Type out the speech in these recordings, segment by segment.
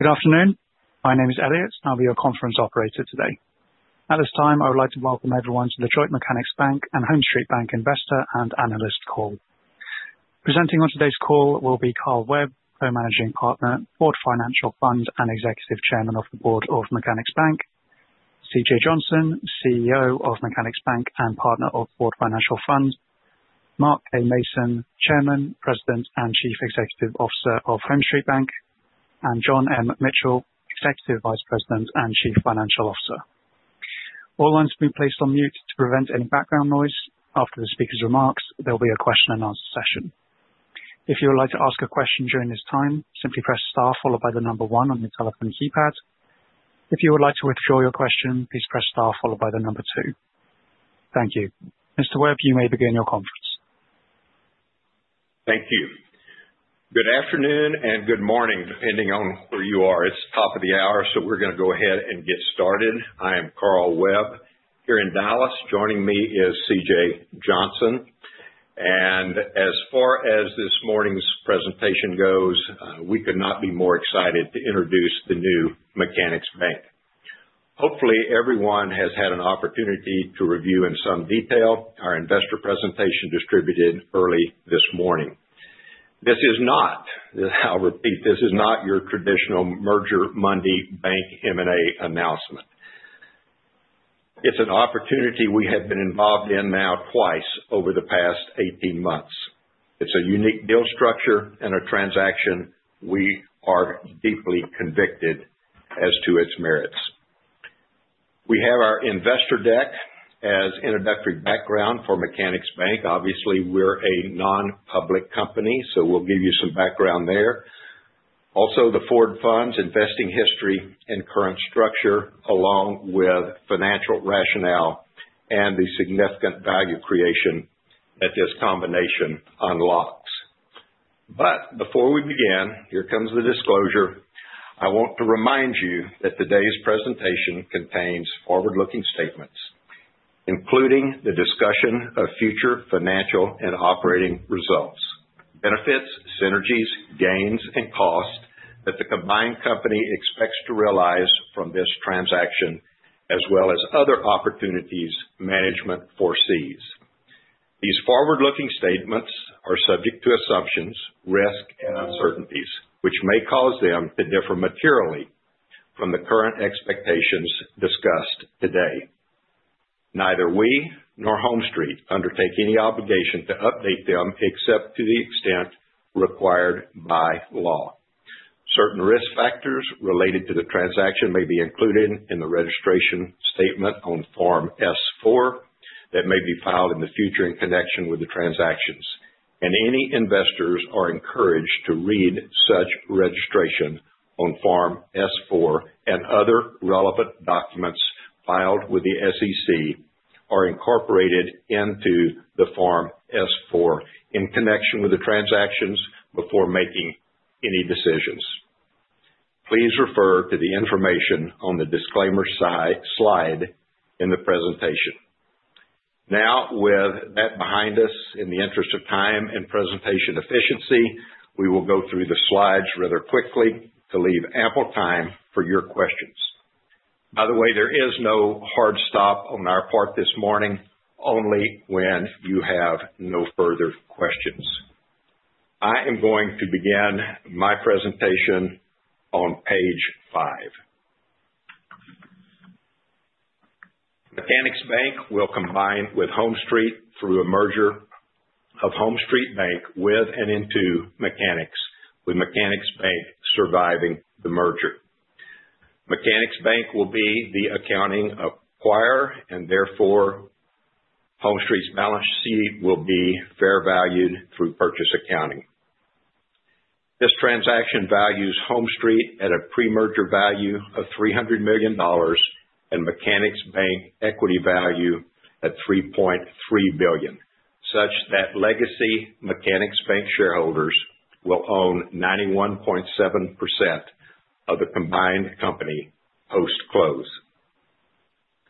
Good afternoon. My name is Elliott, and I'll be your conference operator today. At this time, I would like to welcome everyone to the Mechanics Bank and HomeStreet Bank investor and analyst call. Presenting on today's call will be Carl Webb, co-managing partner, Ford Financial Fund and Executive Chairman of the Board of Mechanics Bank; C.J. Johnson, CEO of Mechanics Bank and partner of Ford Financial Fund; Mark K. Mason, Chairman, President and Chief Executive Officer of HomeStreet Bank; and John M. Mitchell, Executive Vice President and Chief Financial Officer. All lines will be placed on mute to prevent any background noise. After the speaker's remarks, there will be a question-and-answer session. If you would like to ask a question during this time, simply press star followed by the number one on your telephone keypad. If you would like to withdraw your question, please press star followed by the number two. Thank you. Mr. Webb, you may begin your conference. Thank you. Good afternoon and good morning, depending on where you are. It's the top of the hour, so we're going to go ahead and get started. I am Carl Webb. Here in Dallas, joining me is C.J. Johnson. As far as this morning's presentation goes, we could not be more excited to introduce the new Mechanics Bank. Hopefully, everyone has had an opportunity to review in some detail our investor presentation distributed early this morning. This is not—I repeat—this is not your traditional merger-monday bank M&A announcement. It's an opportunity we have been involved in now twice over the past 18 months. It's a unique deal structure and a transaction we are deeply convicted as to its merits. We have our investor deck as introductory background for Mechanics Bank. Obviously, we're a non-public company, so we'll give you some background there. Also, the Ford Financial Fund's investing history and current structure, along with financial rationale and the significant value creation that this combination unlocks. Before we begin, here comes the disclosure. I want to remind you that today's presentation contains forward-looking statements, including the discussion of future financial and operating results, benefits, synergies, gains, and costs that the combined company expects to realize from this transaction, as well as other opportunities management foresees. These forward-looking statements are subject to assumptions, risks, and uncertainties, which may cause them to differ materially from the current expectations discussed today. Neither we nor HomeStreet undertake any obligation to update them except to the extent required by law. Certain risk factors related to the transaction may be included in the registration statement on Form S-4 that may be filed in the future in connection with the transactions. Any investors are encouraged to read such registration on Form S-4 and other relevant documents filed with the SEC or incorporated into the Form S-4 in connection with the transactions before making any decisions. Please refer to the information on the disclaimer slide in the presentation. Now, with that behind us, in the interest of time and presentation efficiency, we will go through the slides rather quickly to leave ample time for your questions. By the way, there is no hard stop on our part this morning, only when you have no further questions. I am going to begin my presentation on page five. Mechanics Bank will combine with HomeStreet through a merger of HomeStreet Bank with and into Mechanics, with Mechanics Bank surviving the merger. Mechanics Bank will be the accounting acquirer, and therefore HomeStreet's balance sheet will be fair valued through purchase accounting. This transaction values HomeStreet at a pre-merger value of $300 million and Mechanics Bank equity value at $3.3 billion, such that legacy Mechanics Bank shareholders will own 91.7% of the combined company post-close.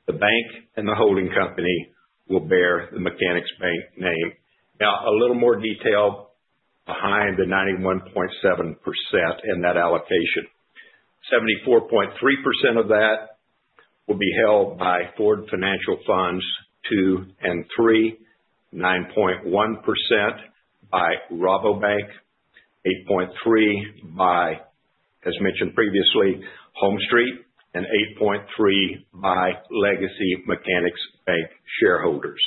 The bank and the holding company will bear the Mechanics Bank name. Now, a little more detail behind the 91.7% in that allocation. 74.3% of that will be held by Ford Financial Fund II and III, 9.1% by Rabobank, 8.3% by, as mentioned previously, HomeStreet, and 8.3% by legacy Mechanics Bank shareholders.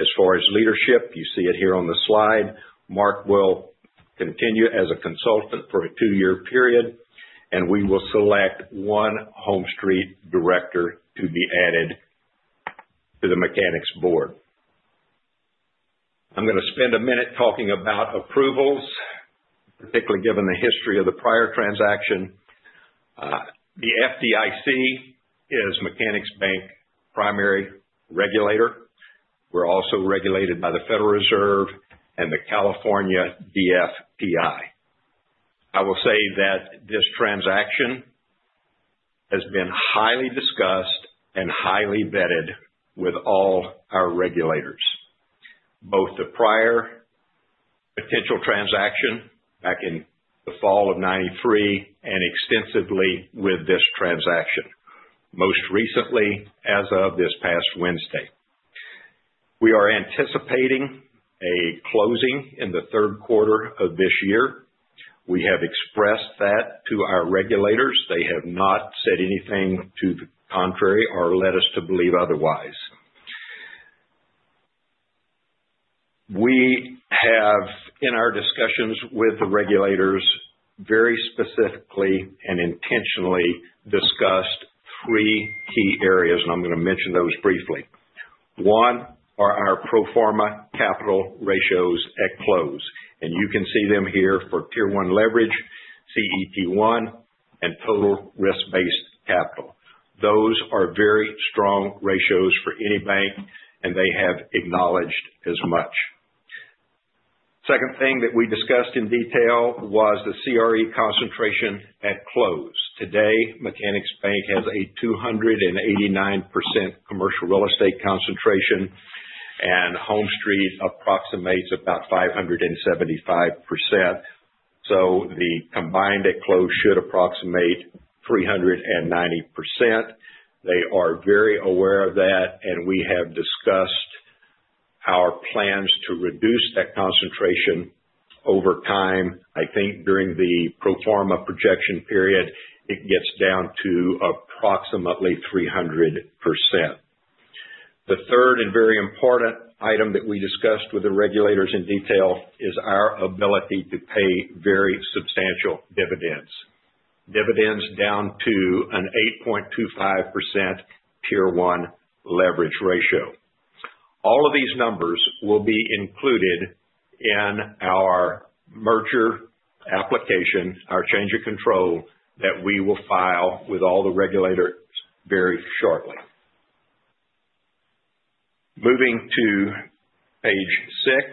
As far as leadership, you see it here on the slide. Mark will continue as a consultant for a two-year period, and we will select one HomeStreet director to be added to the Mechanics board. I'm going to spend a minute talking about approvals, particularly given the history of the prior transaction. The FDIC is Mechanics Bank's primary regulator. We're also regulated by the Federal Reserve and the California DFPI. I will say that this transaction has been highly discussed and highly vetted with all our regulators, both the prior potential transaction back in the fall of 1993 and extensively with this transaction, most recently as of this past Wednesday. We are anticipating a closing in the third quarter of this year. We have expressed that to our regulators. They have not said anything to the contrary or led us to believe otherwise. We have, in our discussions with the regulators, very specifically and intentionally discussed three key areas, and I'm going to mention those briefly. One are our pro forma capital ratios at close. And you can see them here for Tier 1 leverage, CET1, and total risk-based capital. Those are very strong ratios for any bank, and they have acknowledged as much. Second thing that we discussed in detail was the CRE concentration at close. Today, Mechanics Bank has a 289% commercial real estate concentration, and HomeStreet approximates about 575%. The combined at close should approximate 390%. They are very aware of that, and we have discussed our plans to reduce that concentration over time. I think during the pro forma projection period, it gets down to approximately 300%. The third and very important item that we discussed with the regulators in detail is our ability to pay very substantial dividends, dividends down to an 8.25% Tier 1 Leverage Ratio. All of these numbers will be included in our merger application, our change of control that we will file with all the regulators very shortly. Moving to page six,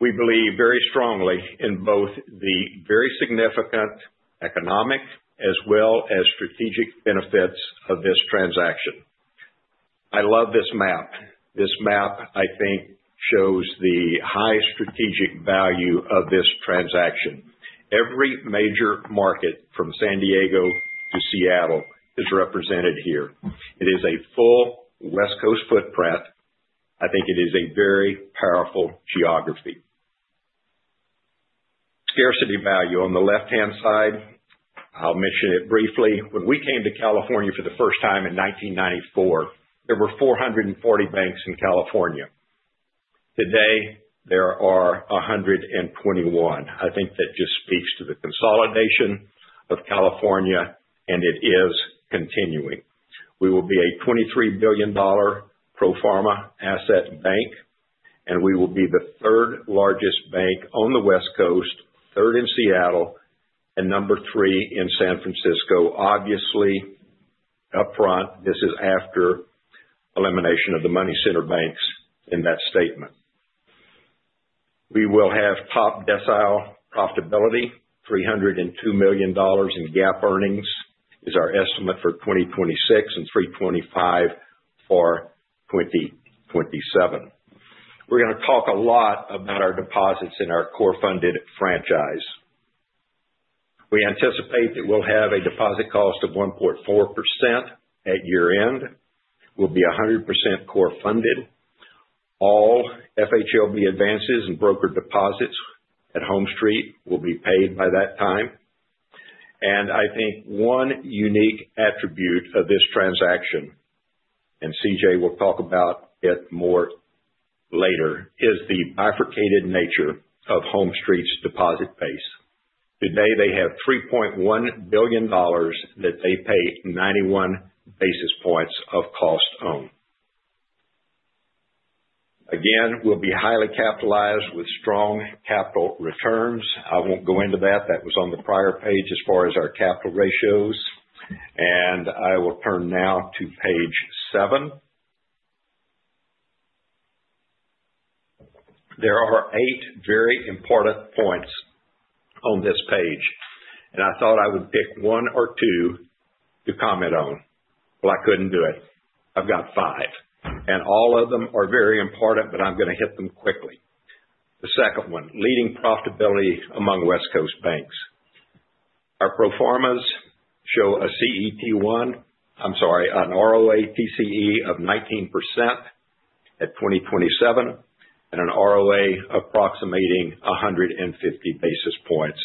we believe very strongly in both the very significant economic as well as strategic benefits of this transaction. I love this map. This map, I think, shows the high strategic value of this transaction. Every major market from San Diego to Seattle is represented here. It is a full West Coast footprint. I think it is a very powerful geography. Scarcity value on the left-hand side, I'll mention it briefly. When we came to California for the first time in 1994, there were 440 banks in California. Today, there are 121. I think that just speaks to the consolidation of California, and it is continuing. We will be a $23 billion pro forma asset bank, and we will be the third largest bank on the West Coast, third in Seattle, and number three in San Francisco. Obviously, upfront, this is after elimination of the money center banks in that statement. We will have top decile profitability, $302 million in gap earnings is our estimate for 2026, and $325 million for 2027. We're going to talk a lot about our deposits in our core funded franchise. We anticipate that we'll have a deposit cost of 1.4% at year end. We'll be 100% core funded. All FHLB advances and brokered deposits at HomeStreet will be paid by that time. I think one unique attribute of this transaction, and C.J. will talk about it more later, is the bifurcated nature of HomeStreet's deposit base. Today, they have $3.1 billion that they pay 91 basis points of cost on. Again, we'll be highly capitalized with strong capital returns. I won't go into that. That was on the prior page as far as our capital ratios. I will turn now to page seven. There are eight very important points on this page, and I thought I would pick one or two to comment on. I couldn't do it. I've got five. All of them are very important, but I'm going to hit them quickly. The second one, leading profitability among West Coast banks. Our pro formas show a CET1—I'm sorry, an ROATCE of 19% at 2027, and an ROA approximating 150 basis points.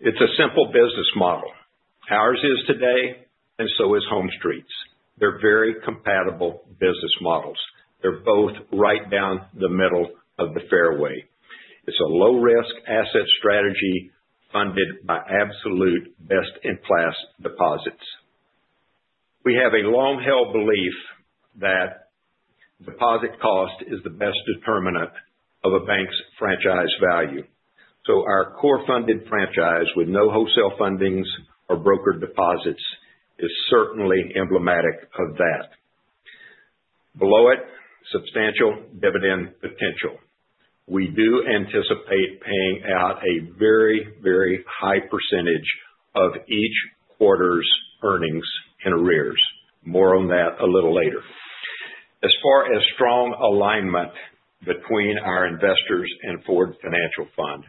It's a simple business model. Ours is today, and so is HomeStreet's. They're very compatible business models. They're both right down the middle of the fairway. It's a low-risk asset strategy funded by absolute best-in-class deposits. We have a long-held belief that deposit cost is the best determinant of a bank's franchise value. Our core funded franchise with no wholesale fundings or brokered deposits is certainly emblematic of that. Below it, substantial dividend potential. We do anticipate paying out a very, very high percentage of each quarter's earnings in arrears. More on that a little later. As far as strong alignment between our investors and Ford Financial Fund,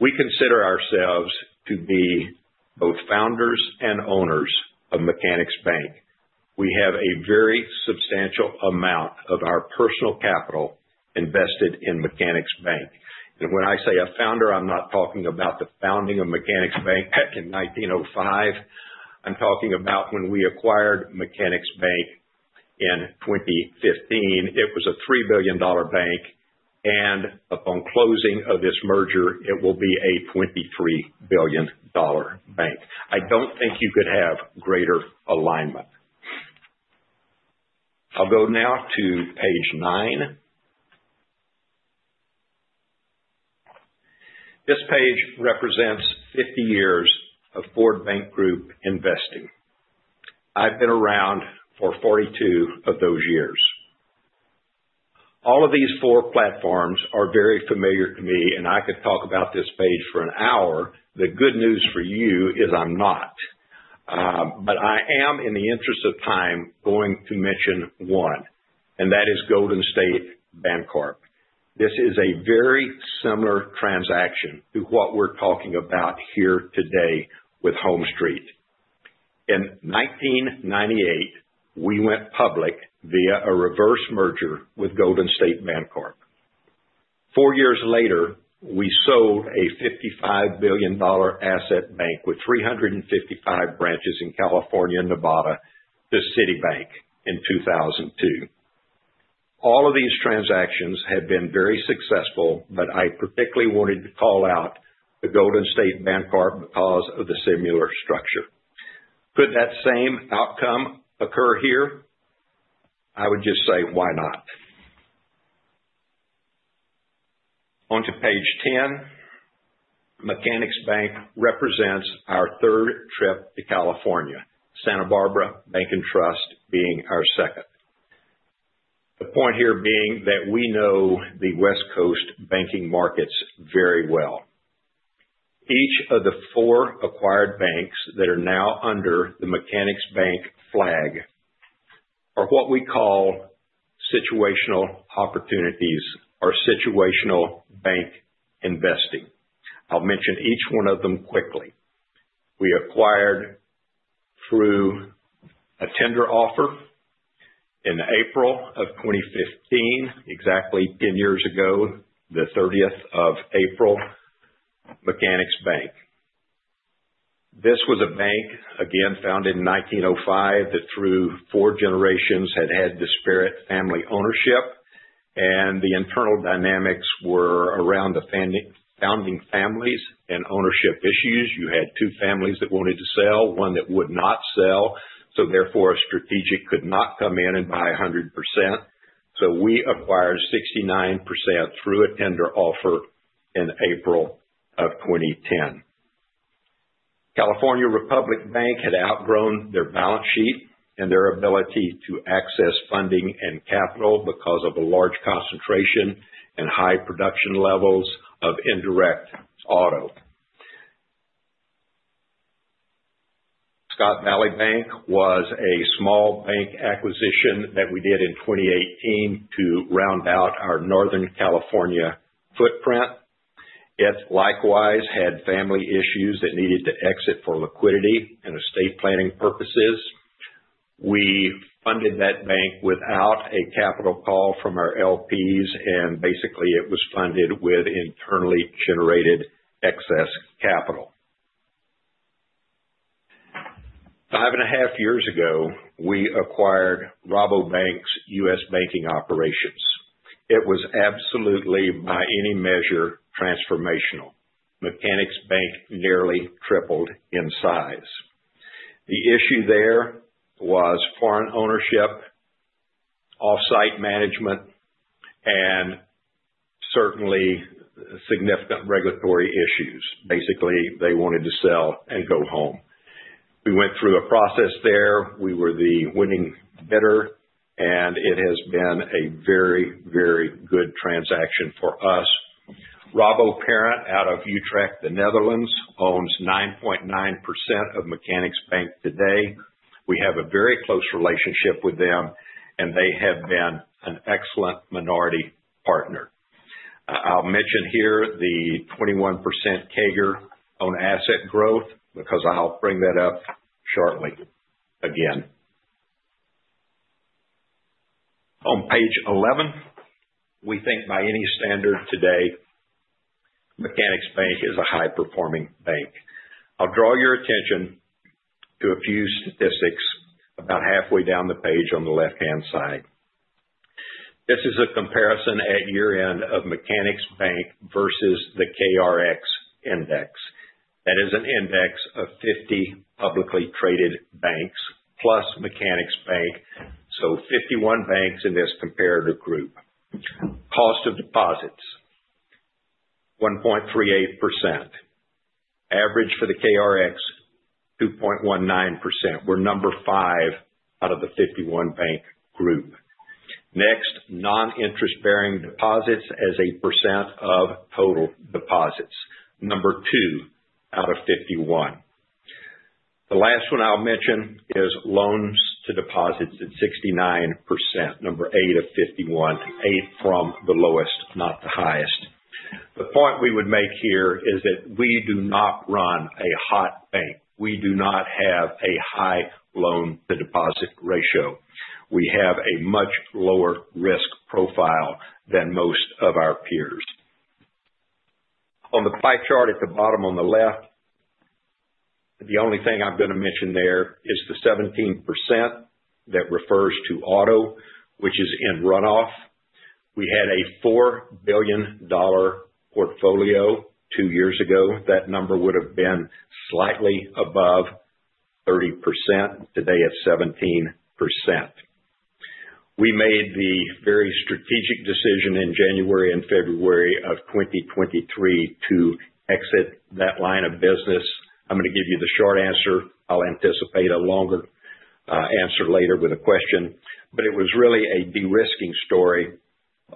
we consider ourselves to be both founders and owners of Mechanics Bank. We have a very substantial amount of our personal capital invested in Mechanics Bank. When I say a founder, I'm not talking about the founding of Mechanics Bank back in 1905. I'm talking about when we acquired Mechanics Bank in 2015. It was a $3 billion bank, and upon closing of this merger, it will be a $23 billion bank. I don't think you could have greater alignment. I'll go now to page nine. This page represents 50 years of Ford Bank Group investing. I've been around for 42 of those years. All of these four platforms are very familiar to me, and I could talk about this page for an hour. The good news for you is I'm not. I am, in the interest of time, going to mention one, and that is Golden State Bancorp. This is a very similar transaction to what we're talking about here today with HomeStreet. In 1998, we went public via a reverse merger with Golden State Bancorp. Four years later, we sold a $55 billion asset bank with 355 branches in California and Nevada to Citibank in 2002. All of these transactions have been very successful, but I particularly wanted to call out the Golden State Bancorp because of the similar structure. Could that same outcome occur here? I would just say, why not? Onto page 10, Mechanics Bank represents our third trip to California, Santa Barbara Bank and Trust being our second. The point here being that we know the West Coast banking markets very well. Each of the four acquired banks that are now under the Mechanics Bank flag are what we call situational opportunities or situational bank investing. I'll mention each one of them quickly. We acquired through a tender offer in April of 2015, exactly 10 years ago, the 30th of April, Mechanics Bank. This was a bank, again, founded in 1905 that through four generations had had disparate family ownership, and the internal dynamics were around the founding families and ownership issues. You had two families that wanted to sell, one that would not sell, so therefore a strategic could not come in and buy 100%. So we acquired 69% through a tender offer in April of 2010. California Republic Bank had outgrown their balance sheet and their ability to access funding and capital because of a large concentration and high production levels of indirect auto. Scott Valley Bank was a small bank acquisition that we did in 2018 to round out our Northern California footprint. It likewise had family issues that needed to exit for liquidity and estate planning purposes. We funded that bank without a capital call from our LPs, and basically it was funded with internally generated excess capital. Five and a half years ago, we acquired Rabobank's U.S. banking operations. It was absolutely by any measure transformational. Mechanics Bank nearly tripled in size. The issue there was foreign ownership, off-site management, and certainly significant regulatory issues. Basically, they wanted to sell and go home. We went through a process there. We were the winning bidder, and it has been a very, very good transaction for us. Rabo parent out of Utrecht, the Netherlands, owns 9.9% of Mechanics Bank today. We have a very close relationship with them, and they have been an excellent minority partner. I'll mention here the 21% CAGR on asset growth because I'll bring that up shortly again. On page 11, we think by any standard today, Mechanics Bank is a high-performing bank. I'll draw your attention to a few statistics about halfway down the page on the left-hand side. This is a comparison at year end of Mechanics Bank versus the KRX index. That is an index of 50 publicly traded banks plus Mechanics Bank, so 51 banks in this comparative group. Cost of deposits, 1.38%. Average for the KRX, 2.19%. We're number five out of the 51 bank group. Next, non-interest-bearing deposits as a percent of total deposits, number two out of 51. The last one I'll mention is loans to deposits at 69%, number eight of 51, eight from the lowest, not the highest. The point we would make here is that we do not run a hot bank. We do not have a high loan-to-deposit ratio. We have a much lower risk profile than most of our peers. On the pie chart at the bottom on the left, the only thing I'm going to mention there is the 17% that refers to auto, which is in runoff. We had a $4 billion portfolio two years ago. That number would have been slightly above 30%, today at 17%. We made the very strategic decision in January and February of 2023 to exit that line of business. I'm going to give you the short answer. I'll anticipate a longer answer later with a question. It was really a de-risking story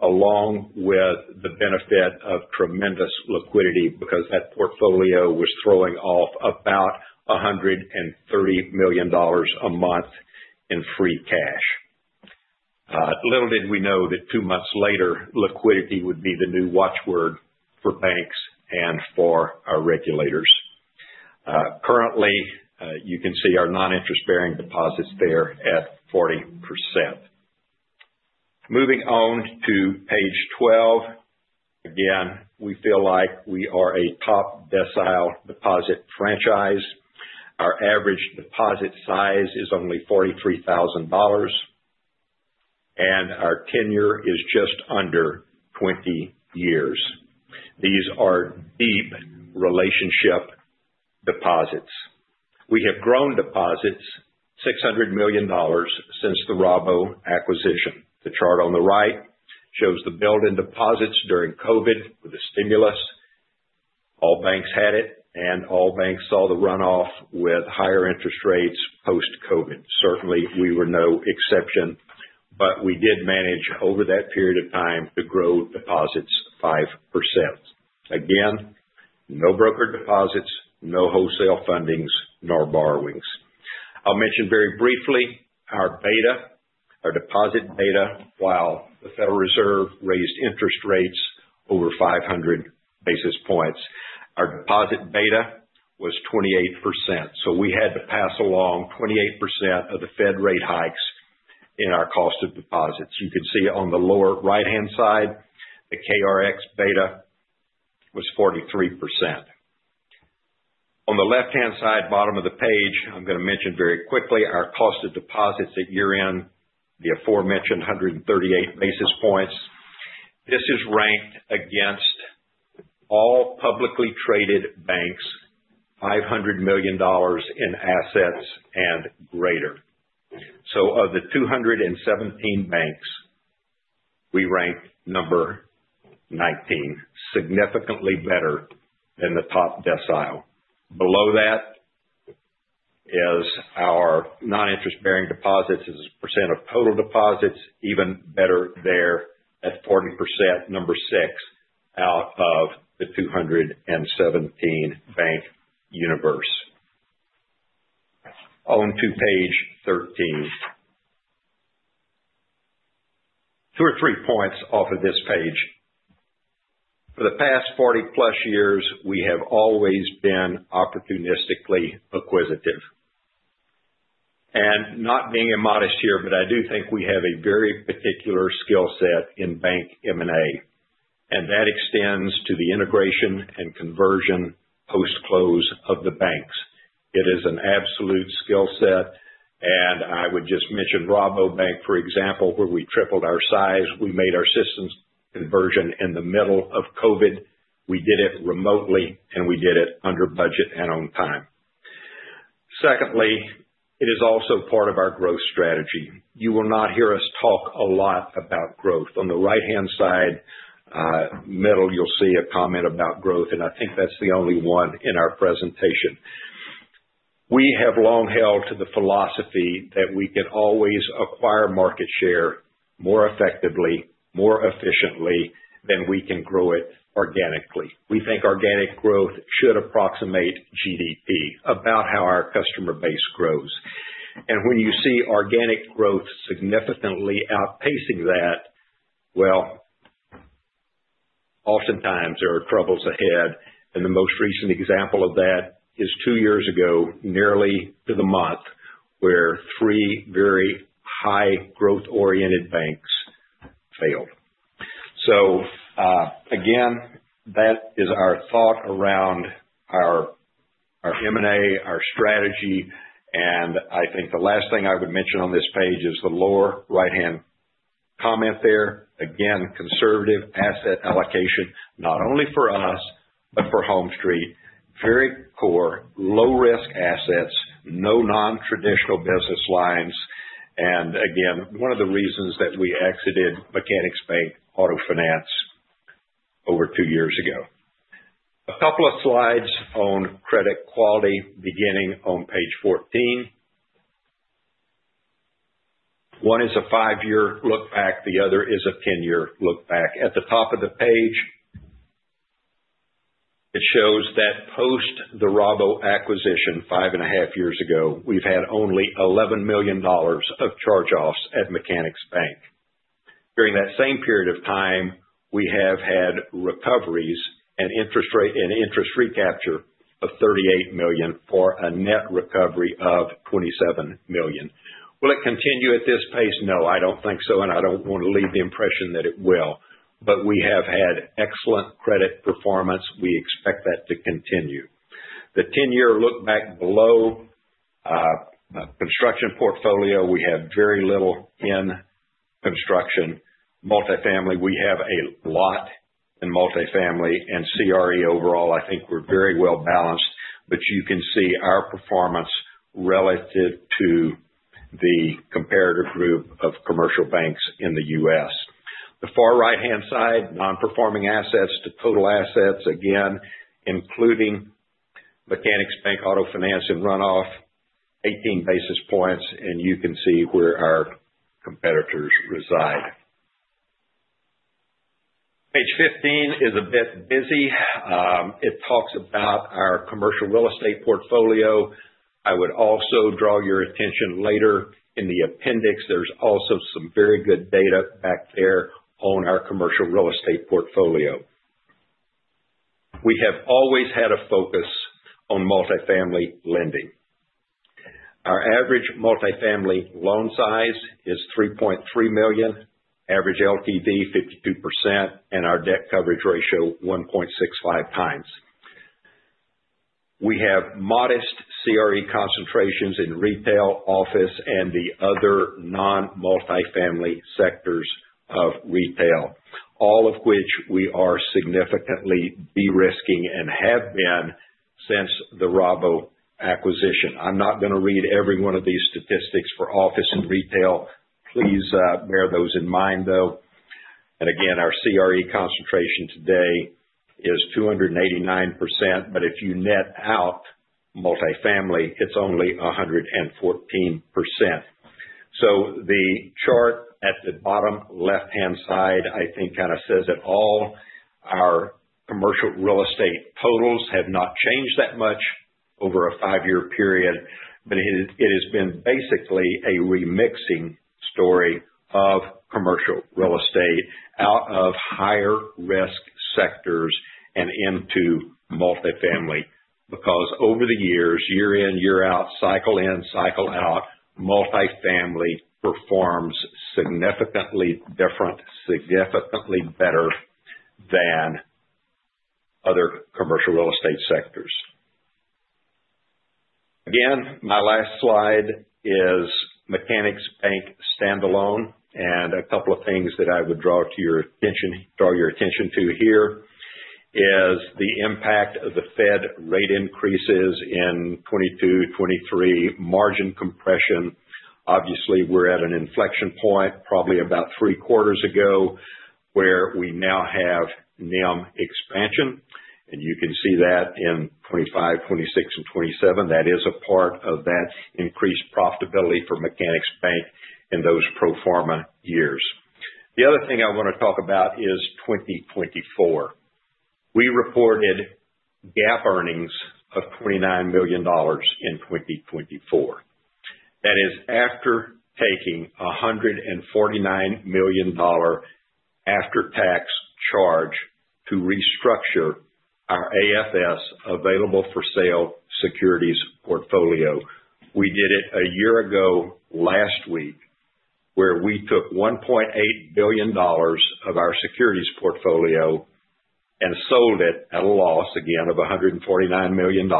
along with the benefit of tremendous liquidity because that portfolio was throwing off about $130 million a month in free cash. Little did we know that two months later, liquidity would be the new watchword for banks and for our regulators. Currently, you can see our non-interest-bearing deposits there at 40%. Moving on to page 12, again, we feel like we are a top decile deposit franchise. Our average deposit size is only $43,000, and our tenure is just under 20 years. These are deep relationship deposits. We have grown deposits, $600 million since the Rabo acquisition. The chart on the right shows the build-in deposits during COVID with the stimulus. All banks had it, and all banks saw the runoff with higher interest rates post-COVID. Certainly, we were no exception, but we did manage over that period of time to grow deposits 5%. Again, no brokered deposits, no wholesale fundings, nor borrowings. I'll mention very briefly our beta, our deposit beta. While the Federal Reserve raised interest rates over 500 basis points, our deposit beta was 28%. We had to pass along 28% of the Fed rate hikes in our cost of deposits. You can see on the lower right-hand side, the KRX beta was 43%. On the left-hand side, bottom of the page, I'm going to mention very quickly our cost of deposits at year end, the aforementioned 138 basis points. This is ranked against all publicly traded banks, $500 million in assets and greater. Of the 217 banks, we ranked number 19, significantly better than the top decile. Below that is our non-interest-bearing deposits as a percent of total deposits, even better there at 40%, number six out of the 217 bank universe. On to page 13. Two or three points off of this page. For the past 40-plus years, we have always been opportunistically acquisitive. Not being modest here, but I do think we have a very particular skill set in bank M&A, and that extends to the integration and conversion post-close of the banks. It is an absolute skill set, and I would just mention Rabobank, for example, where we tripled our size. We made our systems conversion in the middle of COVID. We did it remotely, and we did it under budget and on time. Secondly, it is also part of our growth strategy. You will not hear us talk a lot about growth. On the right-hand side middle, you'll see a comment about growth, and I think that's the only one in our presentation. We have long held to the philosophy that we can always acquire market share more effectively, more efficiently than we can grow it organically. We think organic growth should approximate GDP, about how our customer base grows. When you see organic growth significantly outpacing that, oftentimes there are troubles ahead. The most recent example of that is two years ago, nearly to the month, where three very high growth-oriented banks failed. That is our thought around our M&A, our strategy, and I think the last thing I would mention on this page is the lower right-hand comment there. Again, conservative asset allocation, not only for us, but for HomeStreet. Very core, low-risk assets, no non-traditional business lines. One of the reasons that we exited Mechanics Bank Auto Finance over two years ago. A couple of slides on credit quality, beginning on page 14. One is a five-year look back. The other is a ten-year look back. At the top of the page, it shows that post the Rabo acquisition five and a half years ago, we've had only $11 million of charge-offs at Mechanics Bank. During that same period of time, we have had recoveries and interest recapture of $38 million for a net recovery of $27 million. Will it continue at this pace? No, I don't think so, and I don't want to leave the impression that it will. We have had excellent credit performance. We expect that to continue. The 10-year look back below construction portfolio, we have very little in construction. Multifamily, we have a lot in multifamily and CRE overall. I think we're very well balanced, but you can see our performance relative to the comparative group of commercial banks in the U.S. The far right-hand side, non-performing assets to total assets, again, including Mechanics Bank Auto Finance in runoff, 18 basis points, and you can see where our competitors reside. Page 15 is a bit busy. It talks about our commercial real estate portfolio. I would also draw your attention later in the appendix. There's also some very good data back there on our commercial real estate portfolio. We have always had a focus on multifamily lending. Our average multifamily loan size is $3.3 million, average LTV 52%, and our debt coverage ratio 1.65 times. We have modest CRE concentrations in retail, office, and the other non-multifamily sectors of retail, all of which we are significantly de-risking and have been since the Rabo acquisition. I'm not going to read every one of these statistics for office and retail. Please bear those in mind, though. Again, our CRE concentration today is 289%, but if you net out multifamily, it's only 114%. The chart at the bottom left-hand side, I think, kind of says that all our commercial real estate totals have not changed that much over a five-year period, but it has been basically a remixing story of commercial real estate out of higher risk sectors and into multifamily because over the years, year-in, year-out, cycle-in, cycle-out, multifamily performs significantly different, significantly better than other commercial real estate sectors. Again, my last slide is Mechanics Bank standalone, and a couple of things that I would draw your attention to here is the impact of the Fed rate increases in 2022, 2023, margin compression. Obviously, we're at an inflection point, probably about three quarters ago, where we now have NIM expansion, and you can see that in 2025, 2026, and 2027. That is a part of that increased profitability for Mechanics Bank in those pro forma years. The other thing I want to talk about is 2024. We reported GAAP earnings of $29 million in 2024. That is after taking a $149 million after-tax charge to restructure our AFS securities portfolio. We did it a year ago last week, where we took $1.8 billion of our securities portfolio and sold it at a loss, again, of $149 million.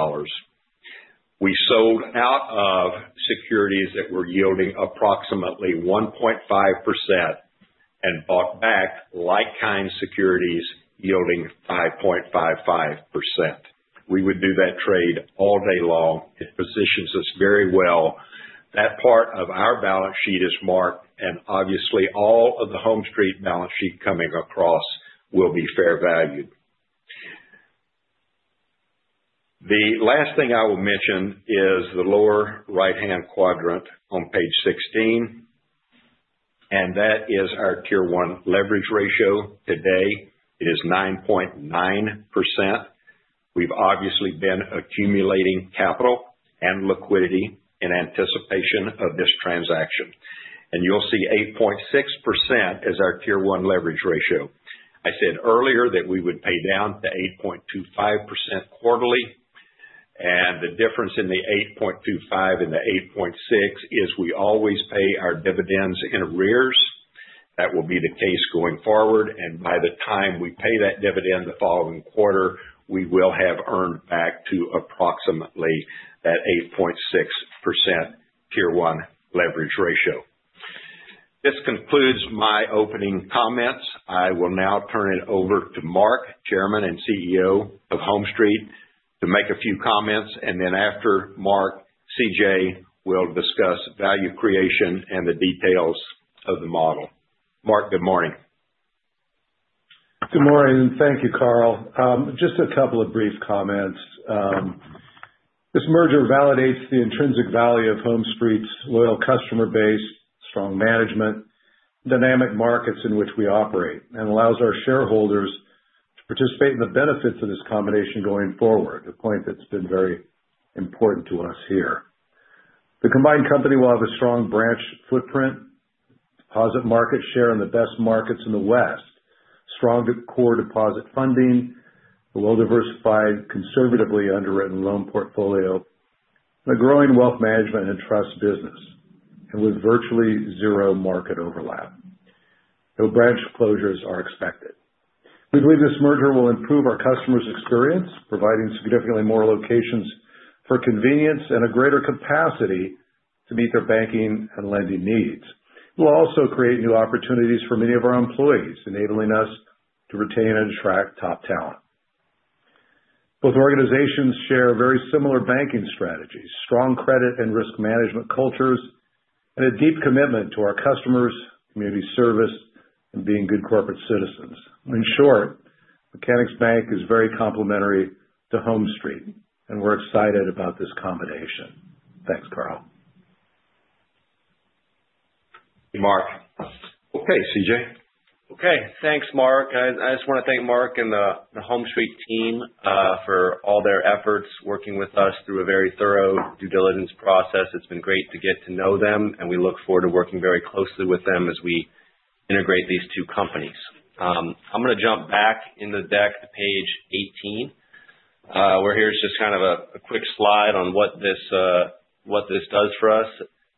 We sold out of securities that were yielding approximately 1.5% and bought back like-kind securities yielding 5.55%. We would do that trade all day long. It positions us very well. That part of our balance sheet is marked, and obviously, all of the HomeStreet balance sheet coming across will be fair valued. The last thing I will mention is the lower right-hand quadrant on page 16, and that is our Tier 1 leverage ratio today. It is 9.9%. We've obviously been accumulating capital and liquidity in anticipation of this transaction. You'll see 8.6% is our Tier 1 leverage ratio. I said earlier that we would pay down to 8.25% quarterly, and the difference in the 8.25 and the 8.6 is we always pay our dividends in arrears. That will be the case going forward, and by the time we pay that dividend the following quarter, we will have earned back to approximately that 8.6% Tier 1 leverage ratio. This concludes my opening comments. I will now turn it over to Mark, Chairman and CEO of HomeStreet, to make a few comments, and then after Mark, C.J. will discuss value creation and the details of the model. Mark, good morning. Good morning, and thank you, Carl. Just a couple of brief comments. This merger validates the intrinsic value of HomeStreet's loyal customer base, strong management, dynamic markets in which we operate, and allows our shareholders to participate in the benefits of this combination going forward, a point that's been very important to us here. The combined company will have a strong branch footprint, deposit market share in the best markets in the West, strong core deposit funding, a well-diversified, conservatively underwritten loan portfolio, and a growing wealth management and trust business, and with virtually zero market overlap. No branch closures are expected. We believe this merger will improve our customers' experience, providing significantly more locations for convenience and a greater capacity to meet their banking and lending needs. It will also create new opportunities for many of our employees, enabling us to retain and attract top talent. Both organizations share very similar banking strategies, strong credit and risk management cultures, and a deep commitment to our customers, community service, and being good corporate citizens. In short, Mechanics Bank is very complementary to HomeStreet, and we're excited about this combination. Thanks, Carl. Thank you, Mark. Okay, C.J. Okay, thanks, Mark. I just want to thank Mark and the HomeStreet team for all their efforts working with us through a very thorough due diligence process. It's been great to get to know them, and we look forward to working very closely with them as we integrate these two companies. I'm going to jump back in the deck to page 18. We're here just kind of a quick slide on what this does for us.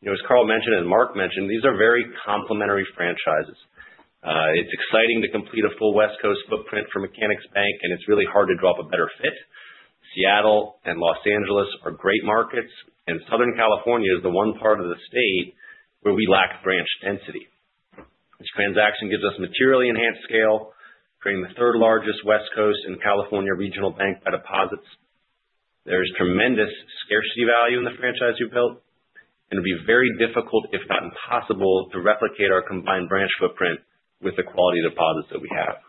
As Carl mentioned and Mark mentioned, these are very complementary franchises. It's exciting to complete a full West Coast footprint for Mechanics Bank, and it's really hard to drop a better fit. Seattle and Los Angeles are great markets, and Southern California is the one part of the state where we lack branch density. This transaction gives us materially enhanced scale, creating the third largest West Coast and California regional bank by deposits. There is tremendous scarcity value in the franchise we've built, and it would be very difficult, if not impossible, to replicate our combined branch footprint with the quality deposits that we have.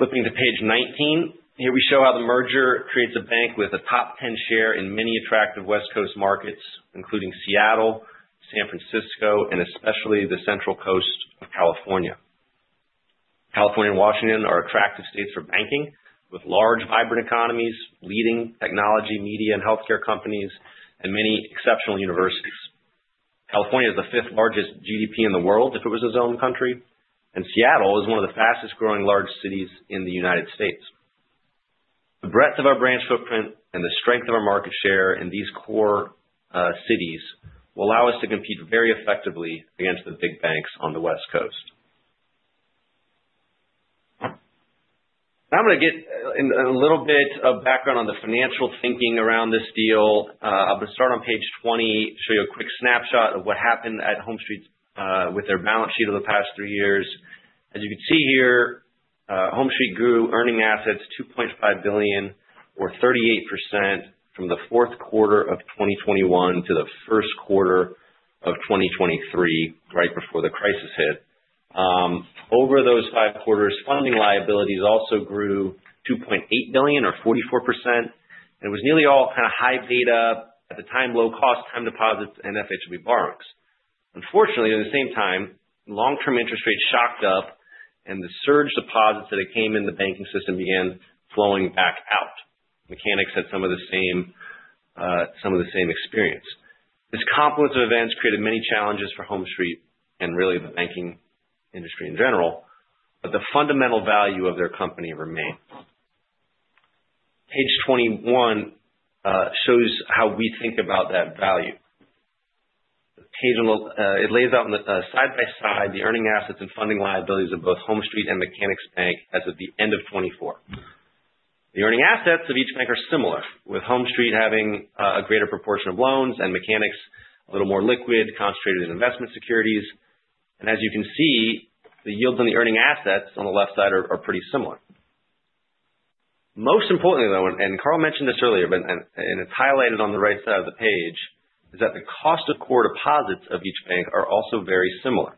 Flipping to page 19, here we show how the merger creates a bank with a top 10 share in many attractive West Coast markets, including Seattle, San Francisco, and especially the Central Coast of California. California and Washington are attractive states for banking, with large vibrant economies, leading technology, media, and healthcare companies, and many exceptional universities. California is the fifth largest GDP in the world if it was its own country, and Seattle is one of the fastest growing large cities in the United States. The breadth of our branch footprint and the strength of our market share in these core cities will allow us to compete very effectively against the big banks on the West Coast. Now I'm going to get a little bit of background on the financial thinking around this deal. I'm going to start on page 20, show you a quick snapshot of what happened at HomeStreet with their balance sheet over the past three years. As you can see here, HomeStreet grew earning assets $2.5 billion, or 38%, from the fourth quarter of 2021 to the first quarter of 2023, right before the crisis hit. Over those five quarters, funding liabilities also grew $2.8 billion, or 44%, and it was nearly all kind of high beta at the time, low-cost time deposits, and FHLB borrowings. Unfortunately, at the same time, long-term interest rates shocked up, and the surge deposits that had came in the banking system began flowing back out. Mechanics had some of the same experience. This confluence of events created many challenges for HomeStreet and really the banking industry in general, but the fundamental value of their company remained. Page 21 shows how we think about that value. It lays out side by side the earning assets and funding liabilities of both HomeStreet and Mechanics Bank as of the end of 2024. The earning assets of each bank are similar, with HomeStreet having a greater proportion of loans and Mechanics a little more liquid, concentrated in investment securities. As you can see, the yields on the earning assets on the left side are pretty similar. Most importantly, though, and Carl mentioned this earlier, and it is highlighted on the right side of the page, is that the cost of core deposits of each bank are also very similar.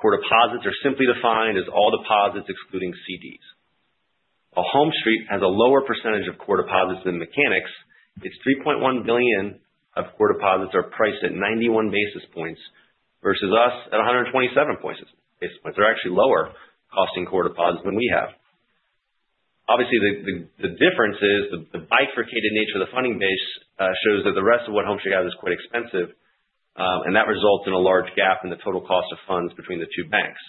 Core deposits are simply defined as all deposits excluding CDs. While HomeStreet has a lower percentage of core deposits than Mechanics, its $3.1 billion of core deposits are priced at 91 basis points versus us at 127 basis points. They're actually lower costing core deposits than we have. Obviously, the difference is the bifurcated nature of the funding base shows that the rest of what HomeStreet has is quite expensive, and that results in a large gap in the total cost of funds between the two banks.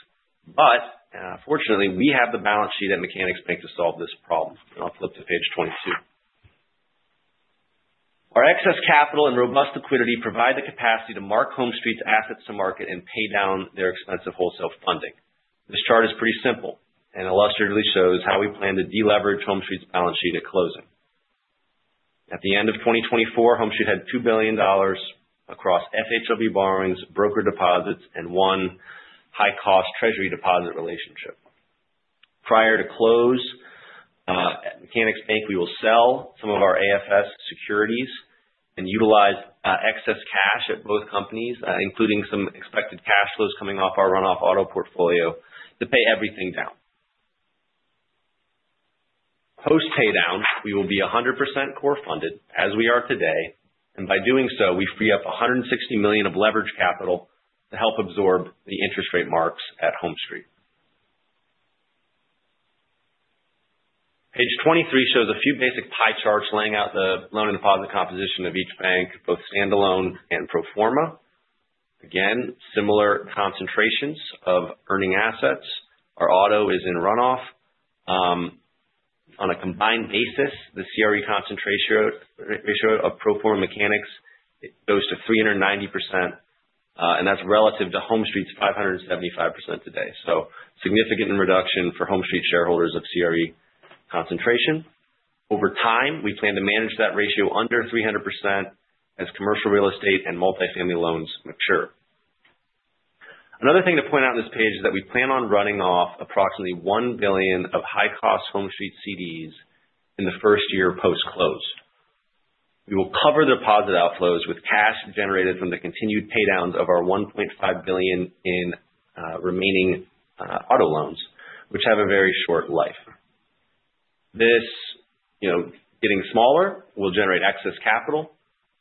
Fortunately, we have the balance sheet at Mechanics Bank to solve this problem. I'll flip to page 22. Our excess capital and robust liquidity provide the capacity to mark HomeStreet's assets to market and pay down their expensive wholesale funding. This chart is pretty simple and illustratively shows how we plan to deleverage HomeStreet's balance sheet at closing. At the end of 2024, HomeStreet had $2 billion across FHLB borrowings, broker deposits, and one high-cost treasury deposit relationship. Prior to close, at Mechanics Bank, we will sell some of our AFS securities and utilize excess cash at both companies, including some expected cash flows coming off our runoff auto portfolio, to pay everything down. Post paydown, we will be 100% core funded as we are today, and by doing so, we free up $160 million of leverage capital to help absorb the interest rate marks at HomeStreet. Page 23 shows a few basic pie charts laying out the loan and deposit composition of each bank, both standalone and pro forma. Again, similar concentrations of earning assets. Our auto is in runoff. On a combined basis, the CRE concentration ratio of pro forma Mechanics goes to 390%, and that's relative to HomeStreet's 575% today. Significant reduction for HomeStreet shareholders of CRE concentration. Over time, we plan to manage that ratio under 300% as commercial real estate and multifamily loans mature. Another thing to point out on this page is that we plan on running off approximately $1 billion of high-cost HomeStreet CDs in the first year post-close. We will cover the deposit outflows with cash generated from the continued paydowns of our $1.5 billion in remaining auto loans, which have a very short life. This getting smaller will generate excess capital,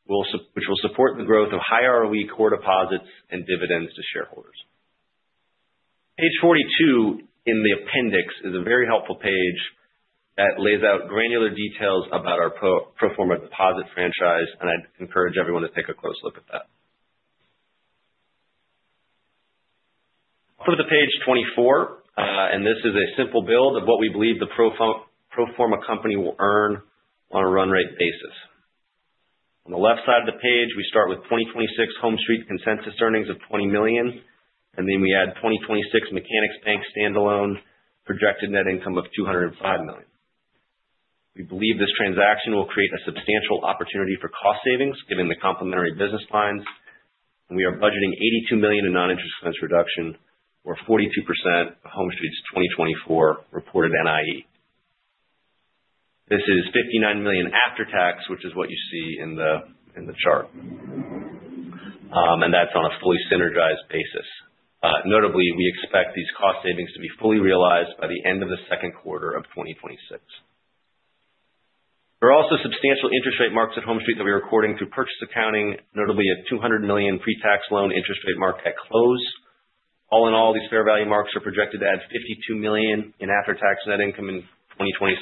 which will support the growth of high ROE core deposits and dividends to shareholders. Page 42 in the appendix is a very helpful page that lays out granular details about our pro forma deposit franchise, and I'd encourage everyone to take a close look at that. I'll flip to page 24, and this is a simple build of what we believe the pro forma company will earn on a run rate basis. On the left side of the page, we start with 2026 HomeStreet consensus earnings of $20 million, and then we add 2026 Mechanics Bank standalone projected net income of $205 million. We believe this transaction will create a substantial opportunity for cost savings given the complementary business lines, and we are budgeting $82 million in non-interest expense reduction, or 42% of HomeStreet's 2024 reported NIE. This is $59 million after tax, which is what you see in the chart, and that's on a fully synergized basis. Notably, we expect these cost savings to be fully realized by the end of the second quarter of 2026. There are also substantial interest rate marks at HomeStreet that we are recording through purchase accounting, notably a $200 million pre-tax loan interest rate mark at close. All in all, these fair value marks are projected to add $52 million in after-tax net income in 2026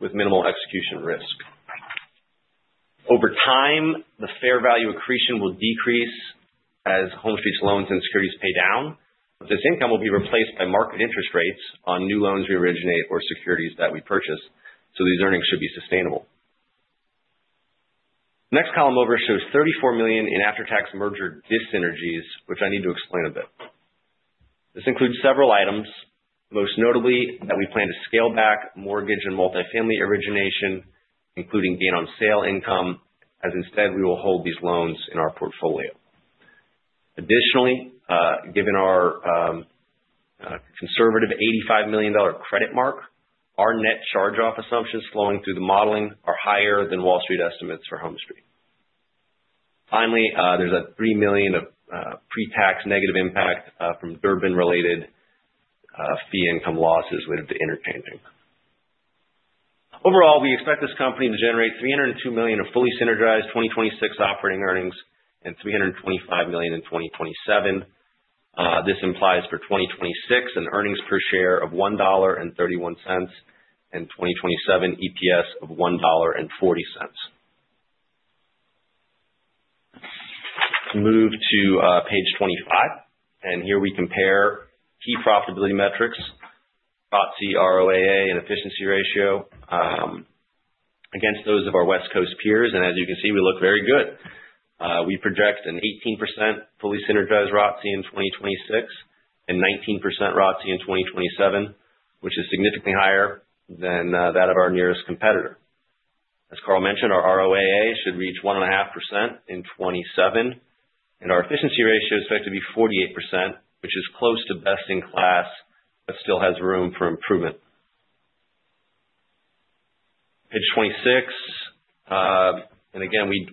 with minimal execution risk. Over time, the fair value accretion will decrease as HomeStreet's loans and securities pay down, but this income will be replaced by market interest rates on new loans we originate or securities that we purchase, so these earnings should be sustainable. Next column over shows $34 million in after-tax merger disynergies, which I need to explain a bit. This includes several items, most notably that we plan to scale back mortgage and multifamily origination, including gain-on-sale income, as instead we will hold these loans in our portfolio. Additionally, given our conservative $85 million credit mark, our net charge-off assumptions flowing through the modeling are higher than Wall Street estimates for HomeStreet. Finally, there is a $3 million of pre-tax negative impact from Durbin-related fee income losses related to interchanging. Overall, we expect this company to generate $302 million of fully synergized 2026 operating earnings and $325 million in 2027. This implies for 2026 an earnings per share of $1.31 and 2027 EPS of $1.40. Move to page 25, and here we compare key profitability metrics, ROAA and efficiency ratio, against those of our West Coast peers, and as you can see, we look very good. We project an 18% fully synergized ROTCE in 2026 and 19% ROTCE in 2027, which is significantly higher than that of our nearest competitor. As Carl mentioned, our ROAA should reach 1.5% in 2027, and our efficiency ratio is expected to be 48%, which is close to best in class but still has room for improvement. Page 26, and again, we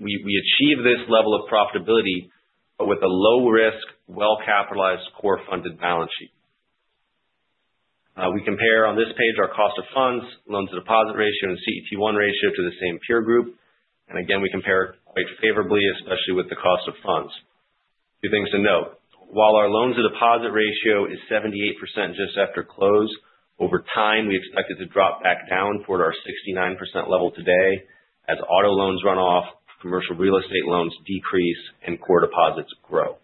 achieve this level of profitability with a low-risk, well-capitalized, core-funded balance sheet. We compare on this page our cost of funds, loans to deposit ratio, and CET1 ratio to the same peer group, and again, we compare quite favorably, especially with the cost of funds. Two things to note. While our loans to deposit ratio is 78% just after close, over time we expect it to drop back down toward our 69% level today as auto loans run off, commercial real estate loans decrease, and core deposits grow.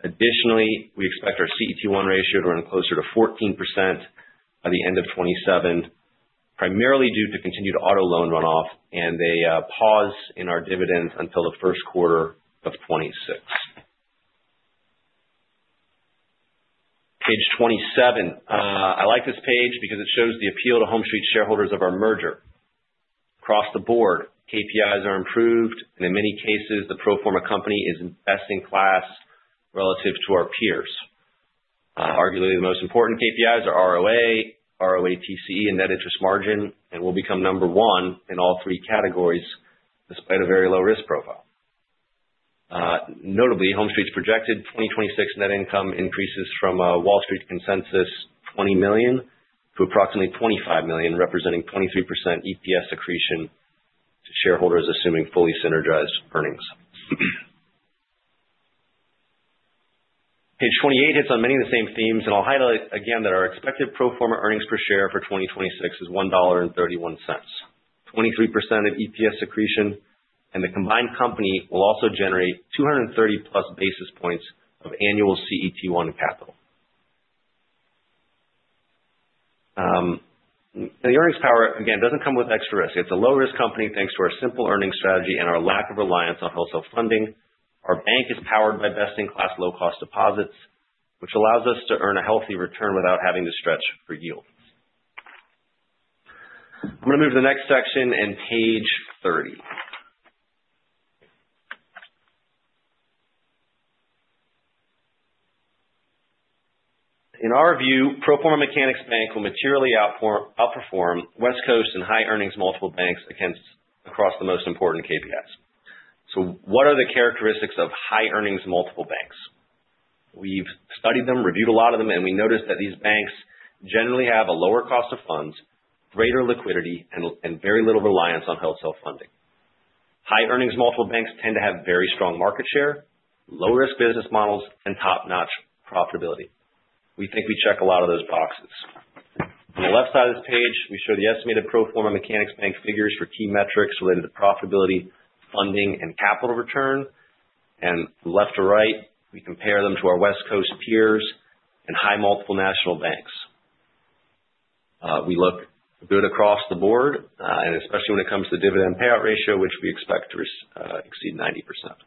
Additionally, we expect our CET1 ratio to run closer to 14% by the end of 2027, primarily due to continued auto loan runoff and a pause in our dividends until the first quarter of 2026. Page 27, I like this page because it shows the appeal to HomeStreet shareholders of our merger. Across the board, KPIs are improved, and in many cases, the pro forma company is best in class relative to our peers. Arguably, the most important KPIs are ROA, ROATCE, and net interest margin, and will become number one in all three categories despite a very low risk profile. Notably, HomeStreet's projected 2026 net income increases from a Wall Street consensus $20 million to approximately $25 million, representing 23% EPS accretion to shareholders assuming fully synergized earnings. Page 28 hits on many of the same themes, and I'll highlight again that our expected pro forma earnings per share for 2026 is $1.31, 23% of EPS accretion, and the combined company will also generate 230+ basis points of annual CET1 capital. The earnings power, again, doesn't come with extra risk. It's a low-risk company thanks to our simple earnings strategy and our lack of reliance on wholesale funding. Our bank is powered by best-in-class low-cost deposits, which allows us to earn a healthy return without having to stretch for yield. I'm going to move to the next section and page 30. In our view, pro forma Mechanics Bank will materially outperform West Coast and high-earnings multiple banks across the most important KPIs. What are the characteristics of high-earnings multiple banks? We've studied them, reviewed a lot of them, and we noticed that these banks generally have a lower cost of funds, greater liquidity, and very little reliance on wholesale funding. High-earnings multiple banks tend to have very strong market share, low-risk business models, and top-notch profitability. We think we check a lot of those boxes. On the left side of this page, we show the estimated pro forma Mechanics Bank figures for key metrics related to profitability, funding, and capital return, and left to right, we compare them to our West Coast peers and high multiple national banks. We look good across the board, and especially when it comes to the dividend payout ratio, which we expect to exceed 90%.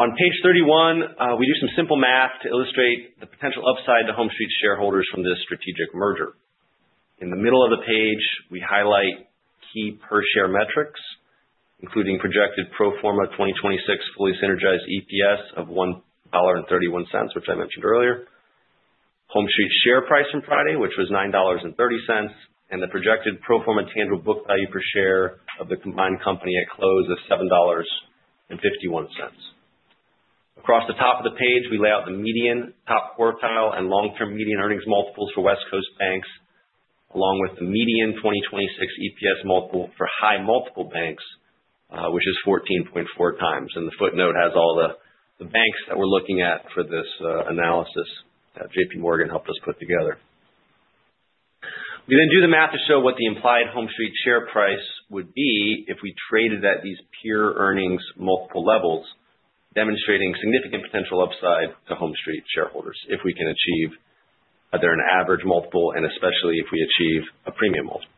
On page 31, we do some simple math to illustrate the potential upside to HomeStreet shareholders from this strategic merger. In the middle of the page, we highlight key per-share metrics, including projected pro forma 2026 fully synergized EPS of $1.31, which I mentioned earlier, HomeStreet share price from Friday, which was $9.30, and the projected pro forma tangible book value per share of the combined company at close of $7.51. Across the top of the page, we lay out the median, top quartile, and long-term median earnings multiples for West Coast banks, along with the median 2026 EPS multiple for high multiple banks, which is 14.4 times. The footnote has all the banks that we are looking at for this analysis that JPMorgan helped us put together. We then do the math to show what the implied HomeStreet share price would be if we traded at these peer earnings multiple levels, demonstrating significant potential upside to HomeStreet shareholders if we can achieve either an average multiple and especially if we achieve a premium multiple.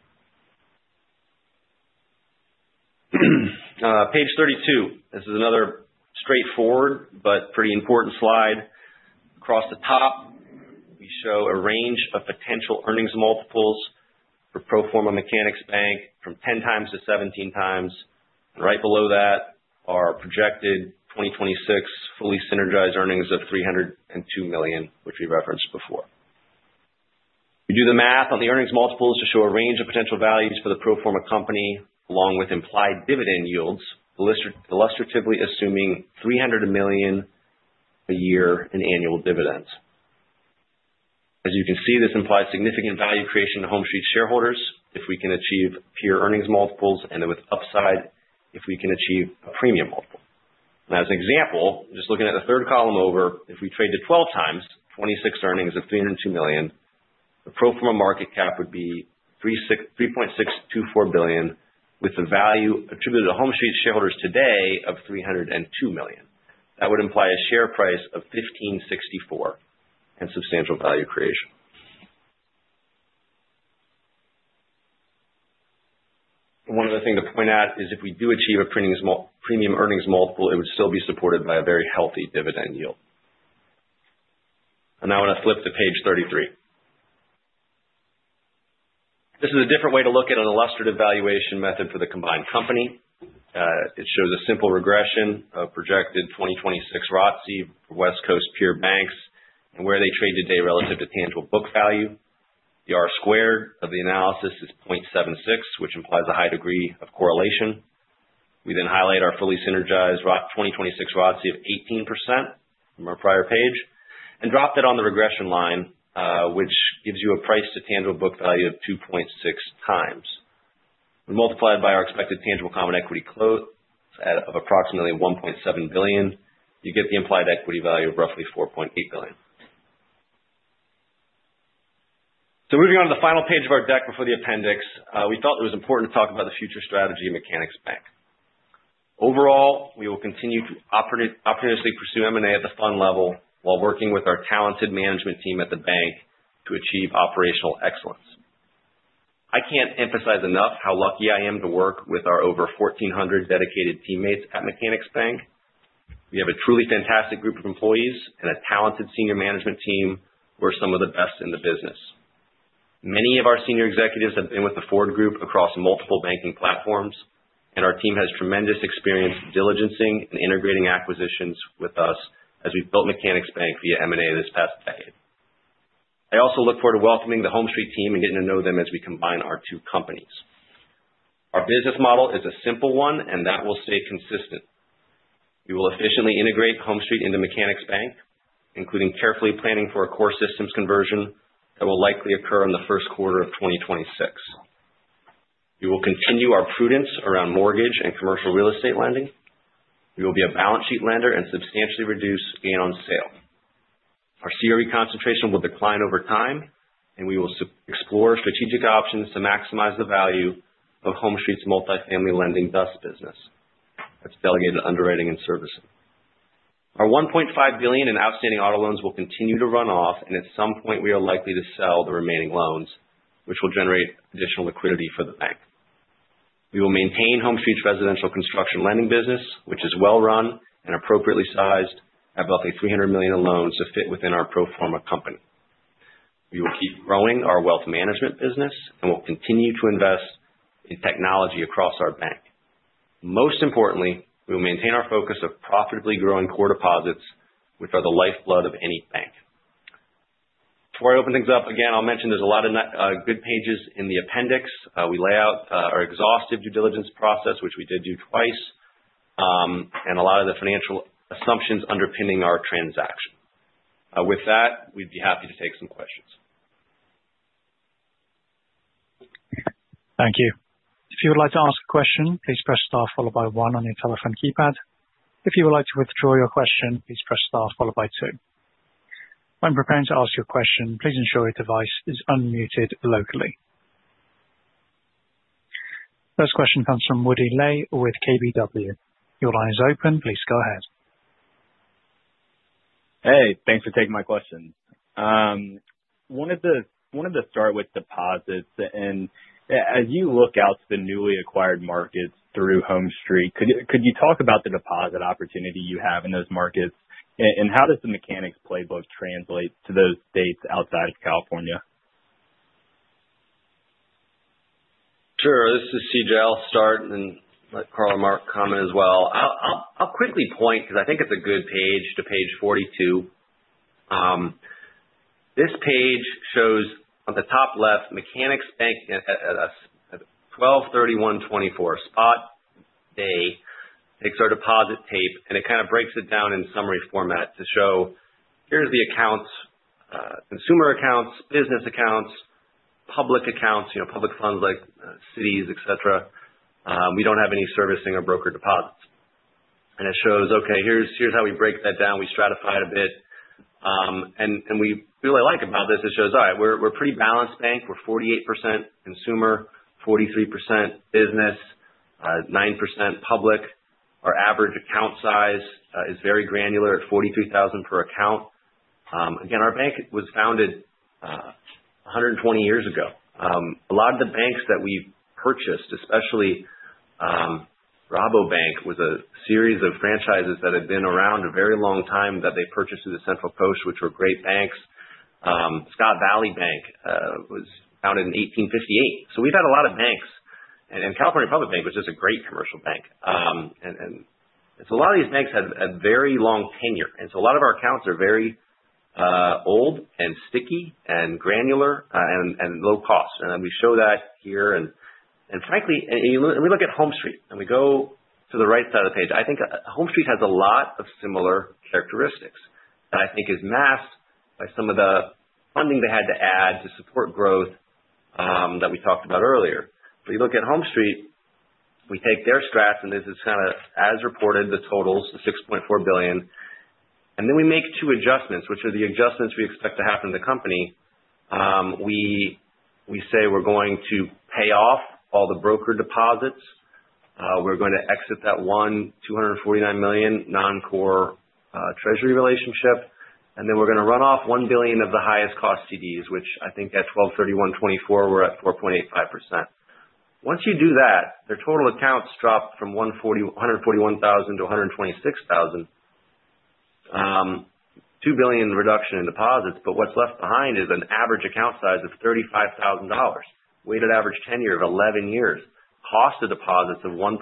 Page 32, this is another straightforward but pretty important slide. Across the top, we show a range of potential earnings multiples for pro forma Mechanics Bank from 10 times to 17 times, and right below that are projected 2026 fully synergized earnings of $302 million, which we referenced before. We do the math on the earnings multiples to show a range of potential values for the pro forma company along with implied dividend yields, illustratively assuming $300 million a year in annual dividends. As you can see, this implies significant value creation to HomeStreet shareholders if we can achieve peer earnings multiples and with upside if we can achieve a premium multiple. Now, as an example, just looking at the third column over, if we trade to 12 times 2026 earnings of $302 million, the pro forma market cap would be $3.624 billion with the value attributed to HomeStreet shareholders today of $302 million. That would imply a share price of $15.64 and substantial value creation. One other thing to point out is if we do achieve a premium earnings multiple, it would still be supported by a very healthy dividend yield. Now, I want to flip to page 33. This is a different way to look at an illustrative valuation method for the combined company. It shows a simple regression of projected 2026 ROTCE for West Coast peer banks and where they trade today relative to tangible book value. The R-squared of the analysis is 0.76, which implies a high degree of correlation. We then highlight our fully synergized 2026 ROTCE of 18% from our prior page and drop that on the regression line, which gives you a price to tangible book value of 2.6 times. When multiplied by our expected tangible common equity close of approximately $1.7 billion, you get the implied equity value of roughly $4.8 billion. Moving on to the final page of our deck before the appendix, we felt it was important to talk about the future strategy of Mechanics Bank. Overall, we will continue to opportunistically pursue M&A at the fund level while working with our talented management team at the bank to achieve operational excellence. I can't emphasize enough how lucky I am to work with our over 1,400 dedicated teammates at Mechanics Bank. We have a truly fantastic group of employees and a talented senior management team who are some of the best in the business. Many of our senior executives have been with the Ford Financial Fund across multiple banking platforms, and our team has tremendous experience diligencing and integrating acquisitions with us as we've built Mechanics Bank via M&A this past decade. I also look forward to welcoming the HomeStreet team and getting to know them as we combine our two companies. Our business model is a simple one, and that will stay consistent. We will efficiently integrate HomeStreet into Mechanics Bank, including carefully planning for a core systems conversion that will likely occur in the first quarter of 2026. We will continue our prudence around mortgage and commercial real estate lending. We will be a balance sheet lender and substantially reduce gain-on-sale. Our CRE concentration will decline over time, and we will explore strategic options to maximize the value of HomeStreet's multifamily lending DUS business. That is Delegated Underwriting and Servicing. Our $1.5 billion in outstanding auto loans will continue to run off, and at some point, we are likely to sell the remaining loans, which will generate additional liquidity for the bank. We will maintain HomeStreet's residential construction lending business, which is well-run and appropriately sized at roughly $300 million in loans to fit within our pro forma company. We will keep growing our wealth management business and will continue to invest in technology across our bank. Most importantly, we will maintain our focus of profitably growing core deposits, which are the lifeblood of any bank. Before I open things up, again, I'll mention there's a lot of good pages in the appendix. We lay out our exhaustive due diligence process, which we did do twice, and a lot of the financial assumptions underpinning our transaction. With that, we'd be happy to take some questions. Thank you. If you would like to ask a question, please press star followed by one on your telephone keypad. If you would like to withdraw your question, please press star followed by two. When preparing to ask your question, please ensure your device is unmuted locally. First question comes from Woody Lay with KBW. Your line is open. Please go ahead. Hey, thanks for taking my question. Wanted to start with deposits, and as you look out to the newly acquired markets through HomeStreet, could you talk about the deposit opportunity you have in those markets, and how does the Mechanics playbook translate to those states outside of California? Sure. This is C.J. I'll start and Carl and Mark comment as well. I'll quickly point because I think it's a good page to page 42. This page shows on the top left Mechanics Bank at a 1/23/24 spot day. It takes our deposit tape, and it kind of breaks it down in summary format to show here's the accounts: consumer accounts, business accounts, public accounts, public funds like cities, etc. We don't have any servicing or broker deposits. It shows, okay, here's how we break that down. We stratify it a bit. What we really like about this, it shows, all right, we're a pretty balanced bank. We're 48% consumer, 43% business, 9% public. Our average account size is very granular at $43,000 per account. Again, our bank was founded 120 years ago. A lot of the banks that we've purchased, especially Rabobank, was a series of franchises that had been around a very long time that they purchased through the Central Coast, which were great banks. Scott Valley Bank was founded in 1858. We have had a lot of banks, and California Republic Bank was just a great commercial bank. A lot of these banks had a very long tenure. A lot of our accounts are very old and sticky and granular and low cost. We show that here. Frankly, we look at HomeStreet, and we go to the right side of the page. I think HomeStreet has a lot of similar characteristics that I think is masked by some of the funding they had to add to support growth that we talked about earlier. You look at HomeStreet, we take their strats, and this is kind of as reported, the totals, the $6.4 billion. We make two adjustments, which are the adjustments we expect to happen in the company. We say we're going to pay off all the broker deposits. We're going to exit that one $249 million non-core treasury relationship. We're going to run off $1 billion of the highest cost CDs, which I think at 12/31/2024, we're at 4.85%. Once you do that, their total accounts drop from 141,000 to 126,000, $2 billion reduction in deposits. What's left behind is an average account size of $35,000, weighted average tenure of 11 years, cost of deposits of 1.74%.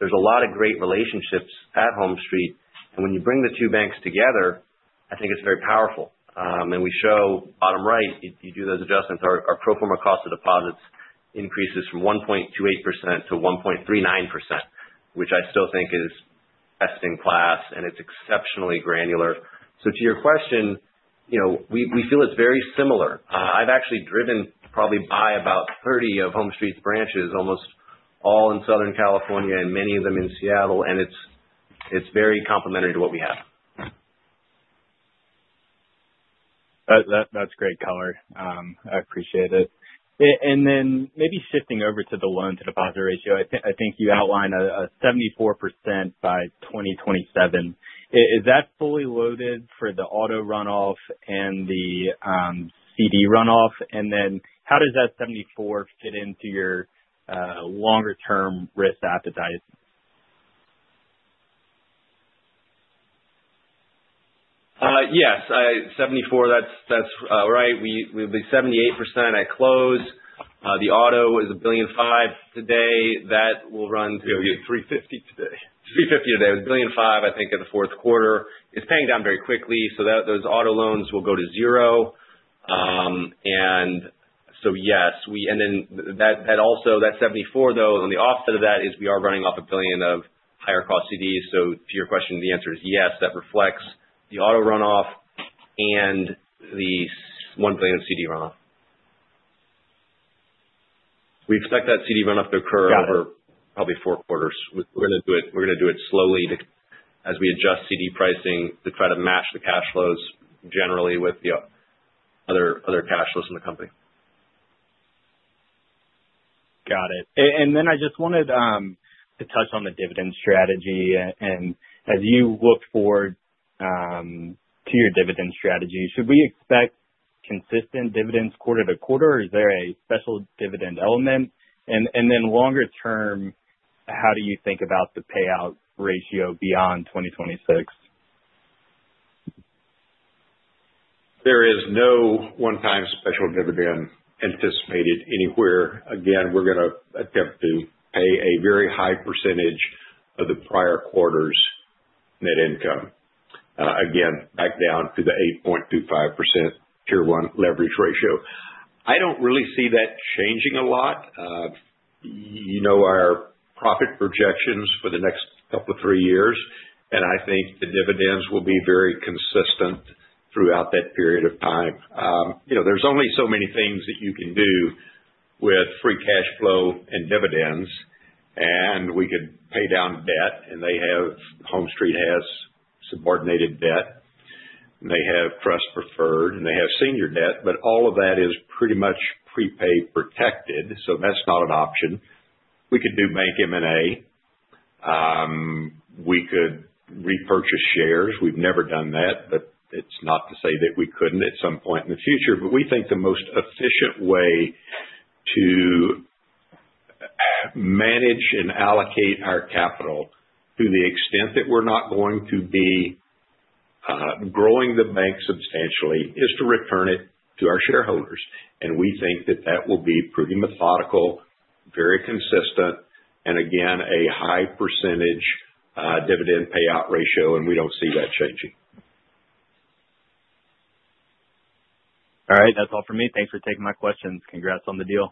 There's a lot of great relationships at HomeStreet. When you bring the two banks together, I think it's very powerful. We show bottom right, if you do those adjustments, our pro forma cost of deposits increases from 1.28% to 1.39%, which I still think is best in class, and it's exceptionally granular. To your question, we feel it's very similar. I've actually driven probably by about 30 of HomeStreet's branches, almost all in Southern California and many of them in Seattle, and it's very complementary to what we have. That's great color. I appreciate it. Maybe shifting over to the loan-to-deposit ratio, I think you outlined a 74% by 2027. Is that fully loaded for the auto runoff and the CD runoff? How does that 74% fit into your longer-term risk appetite? Yes. 74%, that's right. We'll be 78% at close. The auto is $1.5 billion today. That will run to $350 million today. $350 million today. It was $1.5 billion, I think, in the fourth quarter. It's paying down very quickly. Those auto loans will go to zero. Yes. That 74%, though, on the offset of that is we are running off $1 billion of higher cost CDs. To your question, the answer is yes. That reflects the auto runoff and the $1 billion of CD runoff. We expect that CD runoff to occur over probably four quarters. We're going to do it slowly as we adjust CD pricing to try to match the cash flows generally with the other cash flows in the company. Got it. I just wanted to touch on the dividend strategy. As you look forward to your dividend strategy, should we expect consistent dividends quarter to quarter, or is there a special dividend element? Longer term, how do you think about the payout ratio beyond 2026? There is no one-time special dividend anticipated anywhere. Again, we're going to attempt to pay a very high percentage of the prior quarter's net income. Again, back down to the 8.25% Tier 1 leverage ratio. I don't really see that changing a lot. You know our profit projections for the next couple of three years, and I think the dividends will be very consistent throughout that period of time. There's only so many things that you can do with free cash flow and dividends, and we could pay down debt, and they have HomeStreet has subordinated debt, and they have trust preferred, and they have senior debt. All of that is pretty much prepaid protected, so that's not an option. We could do bank M&A. We could repurchase shares. We've never done that, but it's not to say that we couldn't at some point in the future. We think the most efficient way to manage and allocate our capital to the extent that we're not going to be growing the bank substantially is to return it to our shareholders. We think that that will be pretty methodical, very consistent, and again, a high percentage dividend payout ratio, and we don't see that changing. All right. That's all for me. Thanks for taking my questions. Congrats on the deal.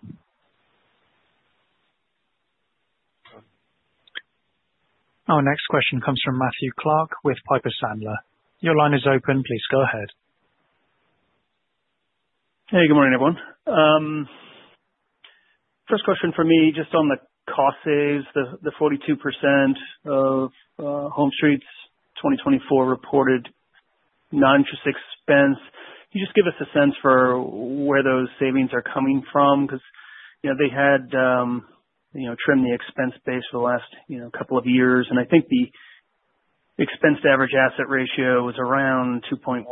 Our next question comes from Matthew Clark with Piper Sandler. Your line is open. Please go ahead. Hey, good morning, everyone. First question for me, just on the cost saves, the 42% of HomeStreet's 2024 reported non-existent expense. Can you just give us a sense for where those savings are coming from? Because they had trimmed the expense base for the last couple of years, and I think the expense-to-average asset ratio was around 2.1%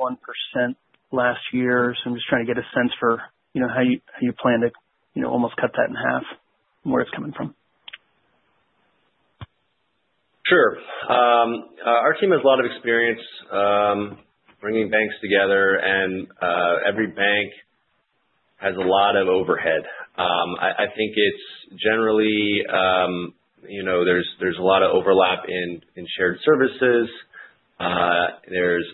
last year. I am just trying to get a sense for how you plan to almost cut that in half and where it's coming from. Sure. Our team has a lot of experience bringing banks together, and every bank has a lot of overhead. I think it's generally there's a lot of overlap in shared services. There's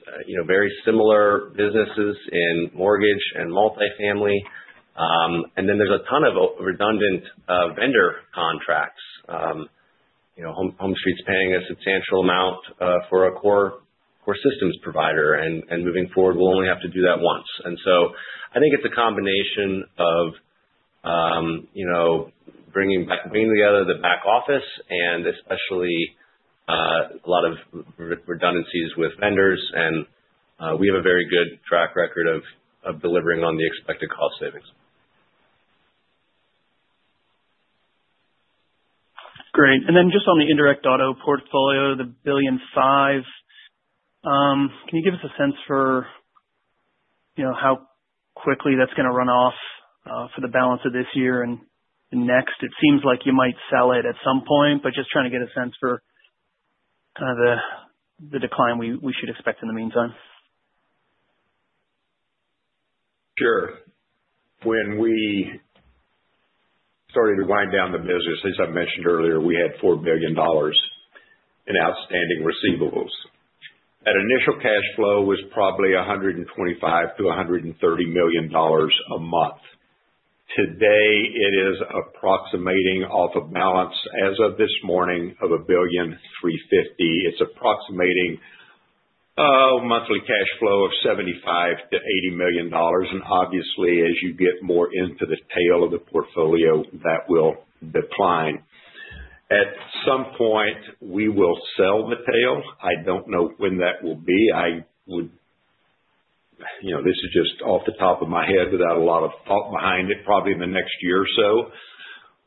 very similar businesses in mortgage and multifamily. There is a ton of redundant vendor contracts. HomeStreet's paying a substantial amount for a core systems provider, and moving forward, we'll only have to do that once. I think it's a combination of bringing together the back office and especially a lot of redundancies with vendors. We have a very good track record of delivering on the expected cost savings. Great. Just on the indirect auto portfolio, the billion five, can you give us a sense for how quickly that's going to run off for the balance of this year and next? It seems like you might sell it at some point, but just trying to get a sense for kind of the decline we should expect in the meantime. Sure. When we started to wind down the business, as I mentioned earlier, we had $4 billion in outstanding receivables. That initial cash flow was probably $125 million-$130 million a month. Today, it is approximating off of balance as of this morning of $1.35 billion. It is approximating a monthly cash flow of $75-$80 million. Obviously, as you get more into the tail of the portfolio, that will decline. At some point, we will sell the tail. I do not know when that will be. This is just off the top of my head without a lot of thought behind it, probably in the next year or so.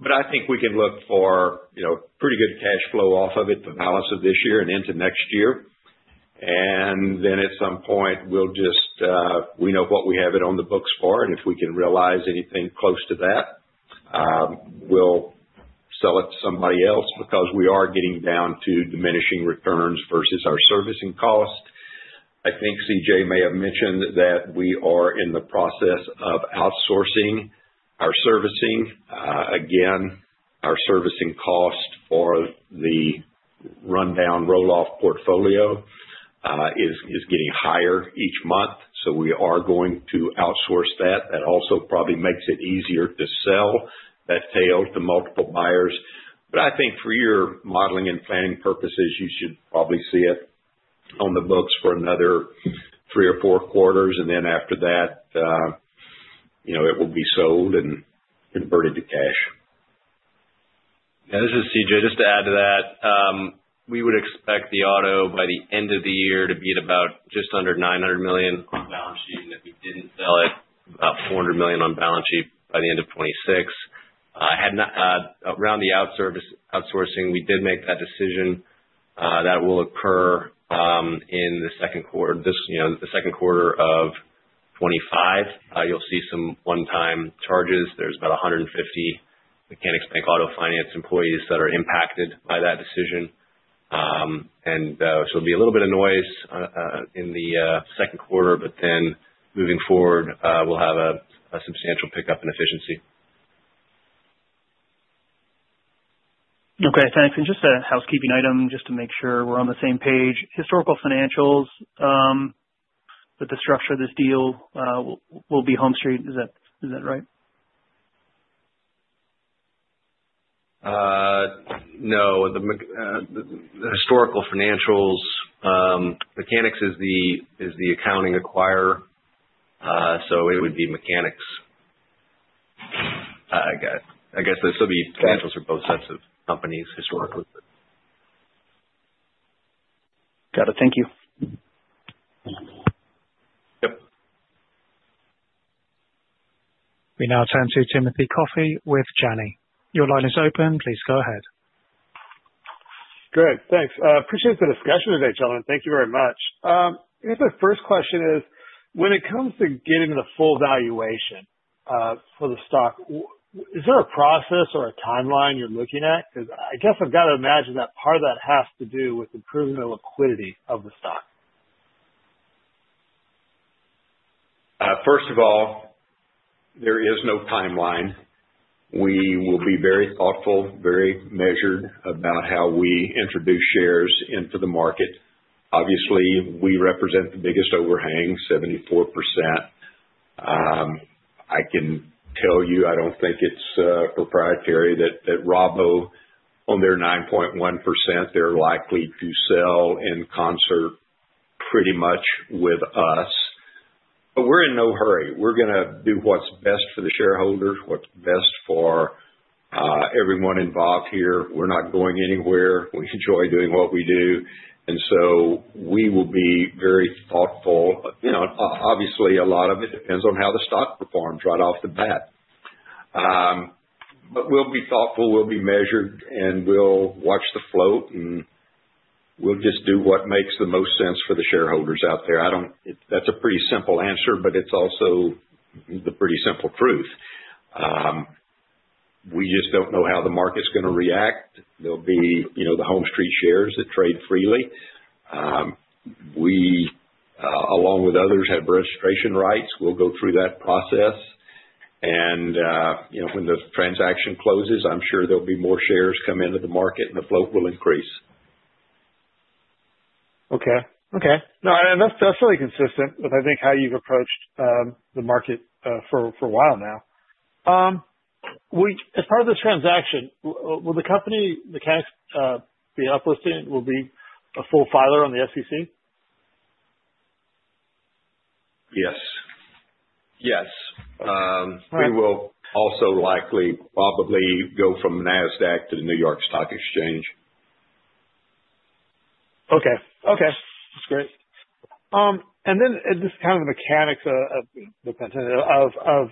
I think we can look for pretty good cash flow off of it for the balance of this year and into next year. At some point, we know what we have it on the books for. If we can realize anything close to that, we'll sell it to somebody else because we are getting down to diminishing returns versus our servicing cost. I think C.J. may have mentioned that we are in the process of outsourcing our servicing. Again, our servicing cost for the rundown rolloff portfolio is getting higher each month. We are going to outsource that. That also probably makes it easier to sell that tail to multiple buyers. I think for your modeling and planning purposes, you should probably see it on the books for another three or four quarters. After that, it will be sold and converted to cash. Yeah. This is C.J. Just to add to that, we would expect the auto by the end of the year to be at about just under $900 million on balance sheet and that we did not sell it, about $400 million on balance sheet by the end of 2026. Around the outsourcing, we did make that decision. That will occur in the second quarter. The second quarter of 2025, you will see some one-time charges. There are about 150 Mechanics Bank auto finance employees that are impacted by that decision. It will be a little bit of noise in the second quarter, but moving forward, we will have a substantial pickup in efficiency. Okay. Thanks. Just a housekeeping item just to make sure we're on the same page. Historical financials with the structure of this deal will be HomeStreet. Is that right? No. The historical financials, Mechanics is the accounting acquirer, so it would be Mechanics. I guess there'll still be financials for both sets of companies historically. Got it. Thank you. We now turn to Timothy Coffey with Janney. Your line is open. Please go ahead. Great. Thanks. Appreciate the discussion today, gentlemen. Thank you very much. I guess my first question is, when it comes to getting the full valuation for the stock, is there a process or a timeline you're looking at? Because I guess I've got to imagine that part of that has to do with improving the liquidity of the stock. First of all, there is no timeline. We will be very thoughtful, very measured about how we introduce shares into the market. Obviously, we represent the biggest overhang, 74%. I can tell you, I do not think it is proprietary that Rabo, on their 9.1%, they are likely to sell in concert pretty much with us. We are in no hurry. We are going to do what is best for the shareholders, what is best for everyone involved here. We are not going anywhere. We enjoy doing what we do. We will be very thoughtful. Obviously, a lot of it depends on how the stock performs right off the bat. We will be thoughtful. We will be measured, and we will watch the float, and we will just do what makes the most sense for the shareholders out there. That is a pretty simple answer, but it is also the pretty simple truth. We just don't know how the market's going to react. There'll be the HomeStreet shares that trade freely. We, along with others, have registration rights. We'll go through that process. When the transaction closes, I'm sure there'll be more shares come into the market, and the float will increase. Okay. Okay. No, that's really consistent with, I think, how you've approached the market for a while now. As part of this transaction, will the company Mechanics be uplisted? Will it be a full filer on the SEC? Yes. Yes. We will also likely probably go from Nasdaq to the New York Stock Exchange. Okay. Okay. That's great. This is kind of the mechanics of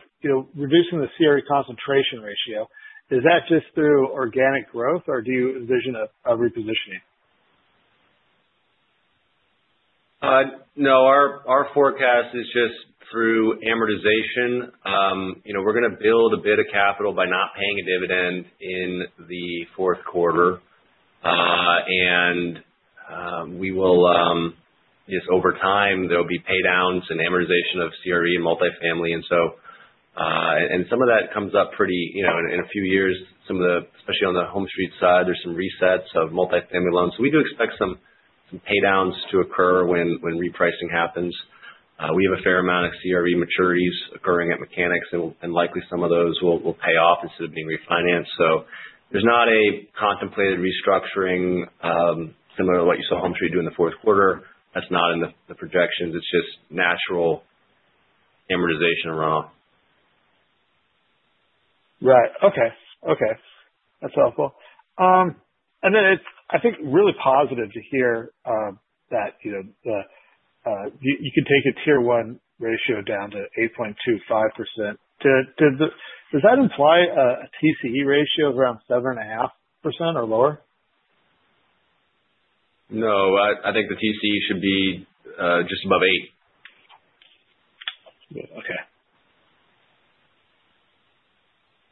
reducing the CRE concentration ratio. Is that just through organic growth, or do you envision a repositioning? No. Our forecast is just through amortization. We're going to build a bit of capital by not paying a dividend in the fourth quarter. We will, just over time, there'll be paydowns and amortization of CRE and multifamily. Some of that comes up pretty in a few years, especially on the HomeStreet side. There's some resets of multifamily loans. We do expect some paydowns to occur when repricing happens. We have a fair amount of CRE maturities occurring at Mechanics, and likely some of those will pay off instead of being refinanced. There's not a contemplated restructuring similar to what you saw HomeStreet do in the fourth quarter. That's not in the projections. It's just natural amortization runoff. Right. Okay. Okay. That's helpful. It is, I think, really positive to hear that you can take a Tier 1 ratio down to 8.25%. Does that imply a TCE ratio of around 7.5% or lower? No. I think the TCE should be just above 8. Okay.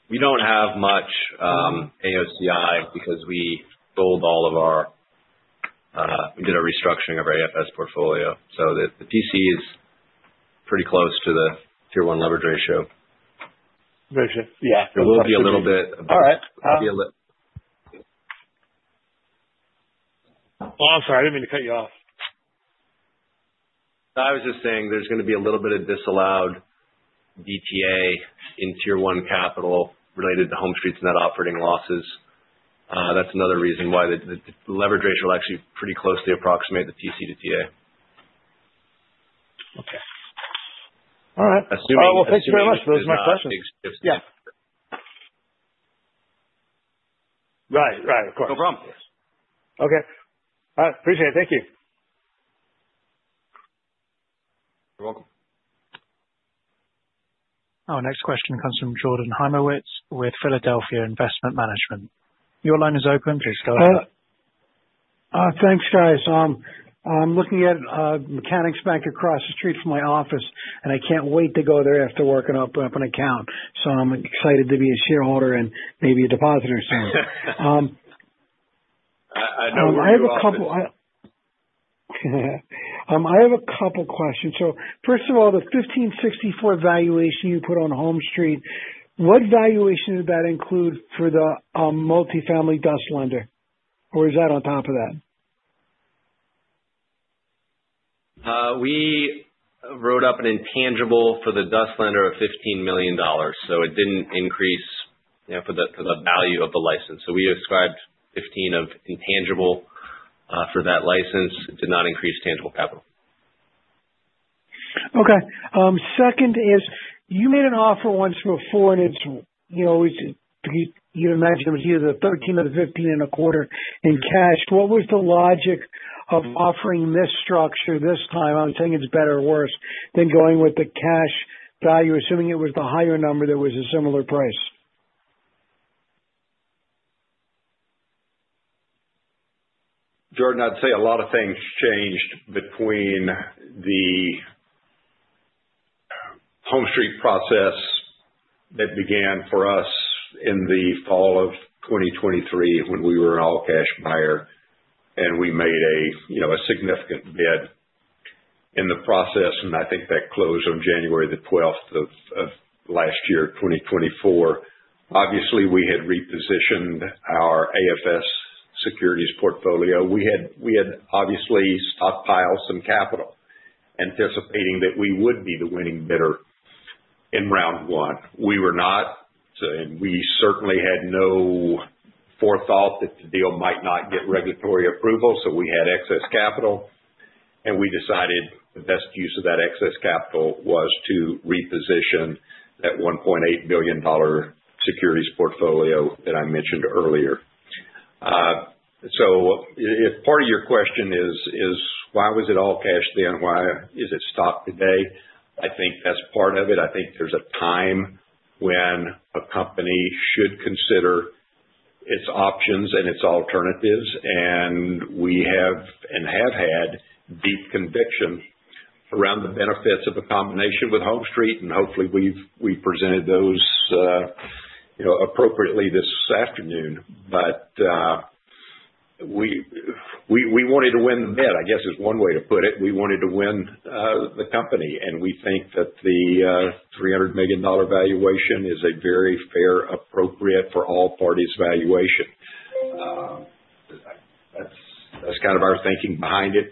We don't have much AOCI because we sold all of our, we did a restructuring of our AFS portfolio. The TCE is pretty close to the Tier 1 leverage ratio. Ratio. Yeah. There will be a little bit. All right. There'll be a little. Oh, I'm sorry. I didn't mean to cut you off. I was just saying there's going to be a little bit of disallowed DTA in Tier 1 capital related to HomeStreet's net operating losses. That's another reason why the leverage ratio will actually pretty closely approximate the TC to TA. Okay. All right. Assuming you can do that. All right. Thank you very much. Those are my questions. Yeah. Right. Right. Of course. No problem. Okay. All right. Appreciate it. Thank you. You're welcome. Our next question comes from Jordan Hymowitz with Philadelphia Investment Management. Your line is open. Please go ahead. Thanks, guys. I'm looking at a Mechanics Bank across the street from my office, and I can't wait to go there after working up an account. I'm excited to be a shareholder and maybe a depositor soon. I know. I have a couple of questions. First of all, the $15.64 valuation you put on HomeStreet, what valuation did that include for the multifamily DUS lender? Or is that on top of that? We wrote up an intangible for the DUS lender of $15 million. It did not increase for the value of the license. We ascribed $15 million of intangible for that license. It did not increase tangible capital. Okay. Second is, you made an offer once before, and you'd imagine it was either the 13 or the 15 and a quarter in cash. What was the logic of offering this structure this time? I'm saying it's better or worse than going with the cash value, assuming it was the higher number that was a similar price? Jordan, I'd say a lot of things changed between the HomeStreet process that began for us in the fall of 2023 when we were an all-cash buyer, and we made a significant bid in the process. I think that closed on January the 12th of last year, 2024. Obviously, we had repositioned our AFS securities portfolio. We had obviously stockpiled some capital, anticipating that we would be the winning bidder in round one. We were not. We certainly had no forethought that the deal might not get regulatory approval. We had excess capital. We decided the best use of that excess capital was to reposition that $1.8 million securities portfolio that I mentioned earlier. If part of your question is, "Why was it all cash then? Why is it stock today?" I think that's part of it. I think there's a time when a company should consider its options and its alternatives. We have and have had deep conviction around the benefits of a combination with HomeStreet. Hopefully, we've presented those appropriately this afternoon. We wanted to win the bid, I guess is one way to put it. We wanted to win the company. We think that the $300 million valuation is a very fair, appropriate for all parties valuation. That's kind of our thinking behind it.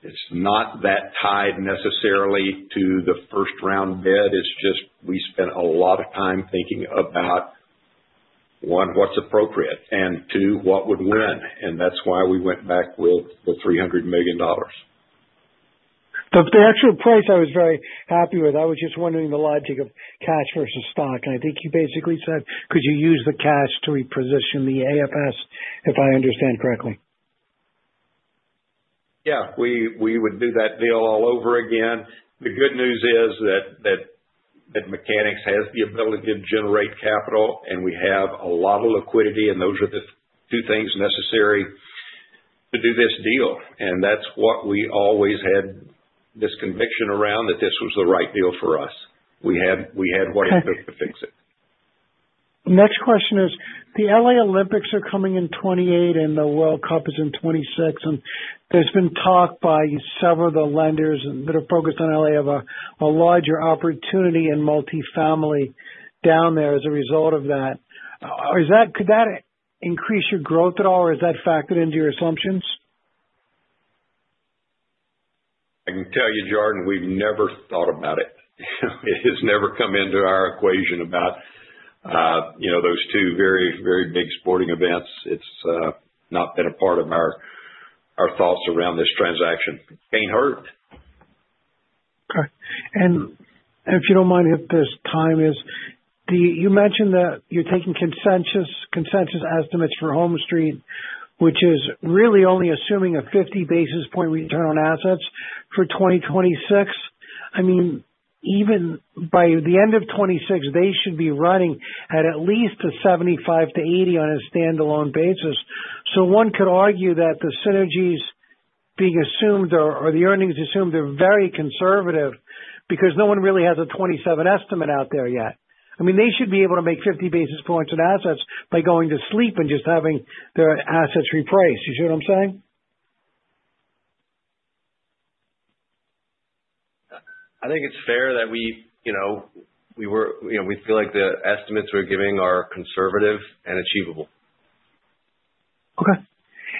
It's not that tied necessarily to the first round bid. We spent a lot of time thinking about, one, what's appropriate, and two, what would win? That's why we went back with the $300 million. The actual price I was very happy with. I was just wondering the logic of cash versus stock. I think you basically said, "Could you use the cash to reposition the AFS, if I understand correctly? Yeah. We would do that deal all over again. The good news is that Mechanics has the ability to generate capital, and we have a lot of liquidity. Those are the two things necessary to do this deal. That is what we always had this conviction around, that this was the right deal for us. We had what it took to fix it. Next question is, the L.A. Olympics are coming in 2028, and the World Cup is in 2026. There has been talk by several of the lenders that are focused on L.A. of a larger opportunity in multifamily down there as a result of that. Could that increase your growth at all, or has that factored into your assumptions? I can tell you, Jordan, we've never thought about it. It has never come into our equation about those two very, very big sporting events. It's not been a part of our thoughts around this transaction. Pain hurt. Okay. If you do not mind, at this time, you mentioned that you are taking consensus estimates for HomeStreet, which is really only assuming a 50 basis point return on assets for 2026. I mean, even by the end of 2026, they should be running at at least a 75-80 basis point on a standalone basis. One could argue that the synergies being assumed or the earnings assumed are very conservative because no one really has a 2027 estimate out there yet. I mean, they should be able to make 50 basis points on assets by going to sleep and just having their assets repriced. You see what I am saying? I think it's fair that we feel like the estimates we're giving are conservative and achievable. Okay.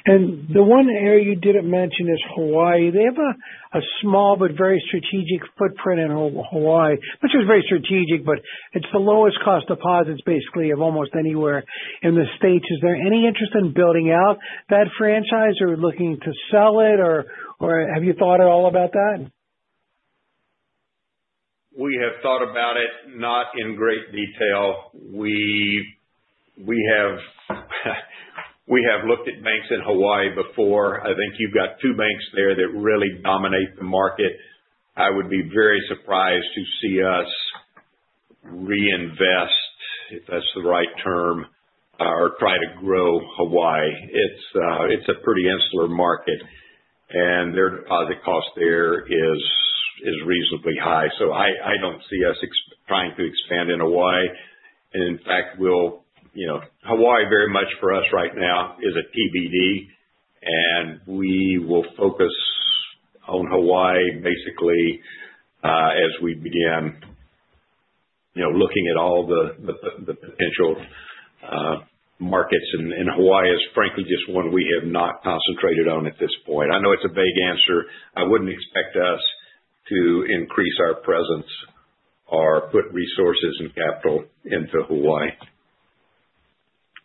The one area you did not mention is Hawaii. They have a small but very strategic footprint in Hawaii, which is very strategic, but it is the lowest-cost deposits, basically, of almost anywhere in the States. Is there any interest in building out that franchise or looking to sell it, or have you thought at all about that? We have thought about it, not in great detail. We have looked at banks in Hawaii before. I think you've got two banks there that really dominate the market. I would be very surprised to see us reinvest, if that's the right term, or try to grow Hawaii. It's a pretty insular market, and their deposit cost there is reasonably high. I do not see us trying to expand in Hawaii. In fact, Hawaii very much for us right now is a TBD. We will focus on Hawaii basically as we begin looking at all the potential markets. Hawaii is, frankly, just one we have not concentrated on at this point. I know it's a vague answer. I would not expect us to increase our presence or put resources and capital into Hawaii.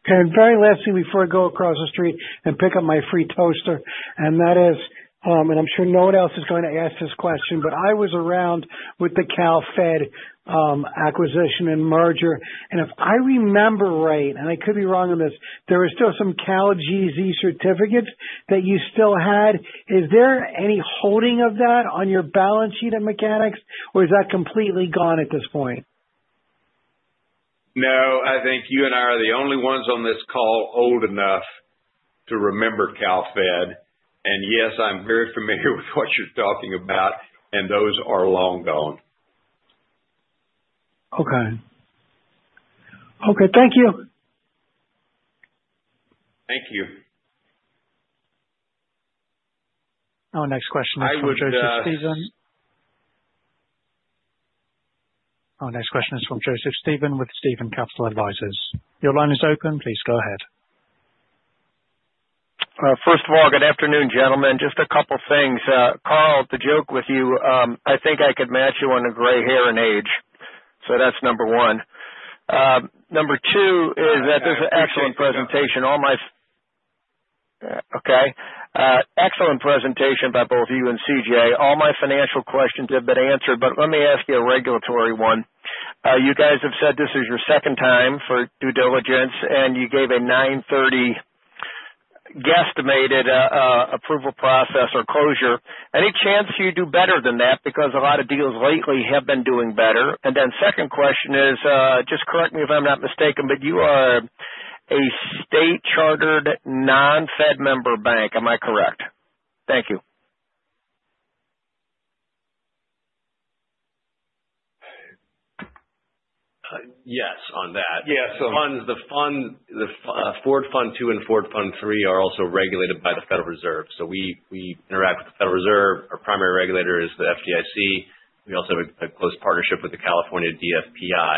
Very lastly, before I go across the street and pick up my free toaster, and that is, and I'm sure no one else is going to ask this question, but I was around with the CalFed acquisition and merger. If I remember right, and I could be wrong on this, there were still some CALGZ certificates that you still had. Is there any holding of that on your balance sheet at Mechanics, or is that completely gone at this point? No. I think you and I are the only ones on this call old enough to remember CalFed. Yes, I'm very familiar with what you're talking about, and those are long gone. Okay. Okay. Thank you. Thank you. Our next question is from Joseph Stephen. I would, Josh. Our next question is from Joseph Stephen with Stephen Capital Advisors. Your line is open. Please go ahead. First of all, good afternoon, gentlemen. Just a couple of things. Carl, the joke with you, I think I could match you on the gray hair and age. So that's number one. Number two is that there's an excellent presentation. Excellent presentation. Okay. Excellent presentation by both you and C.J. All my financial questions have been answered, but let me ask you a regulatory one. You guys have said this is your second time for due diligence, and you gave a 9:30 guesstimated approval process or closure. Any chance you do better than that because a lot of deals lately have been doing better? Second question is, just correct me if I'm not mistaken, but you are a state-chartered non-Fed member bank. Am I correct? Thank you. Yes, on that. Yeah. The Ford Fund II and Ford Fund III are also regulated by the Federal Reserve. We interact with the Federal Reserve. Our primary regulator is the FDIC. We also have a close partnership with the California DFPI.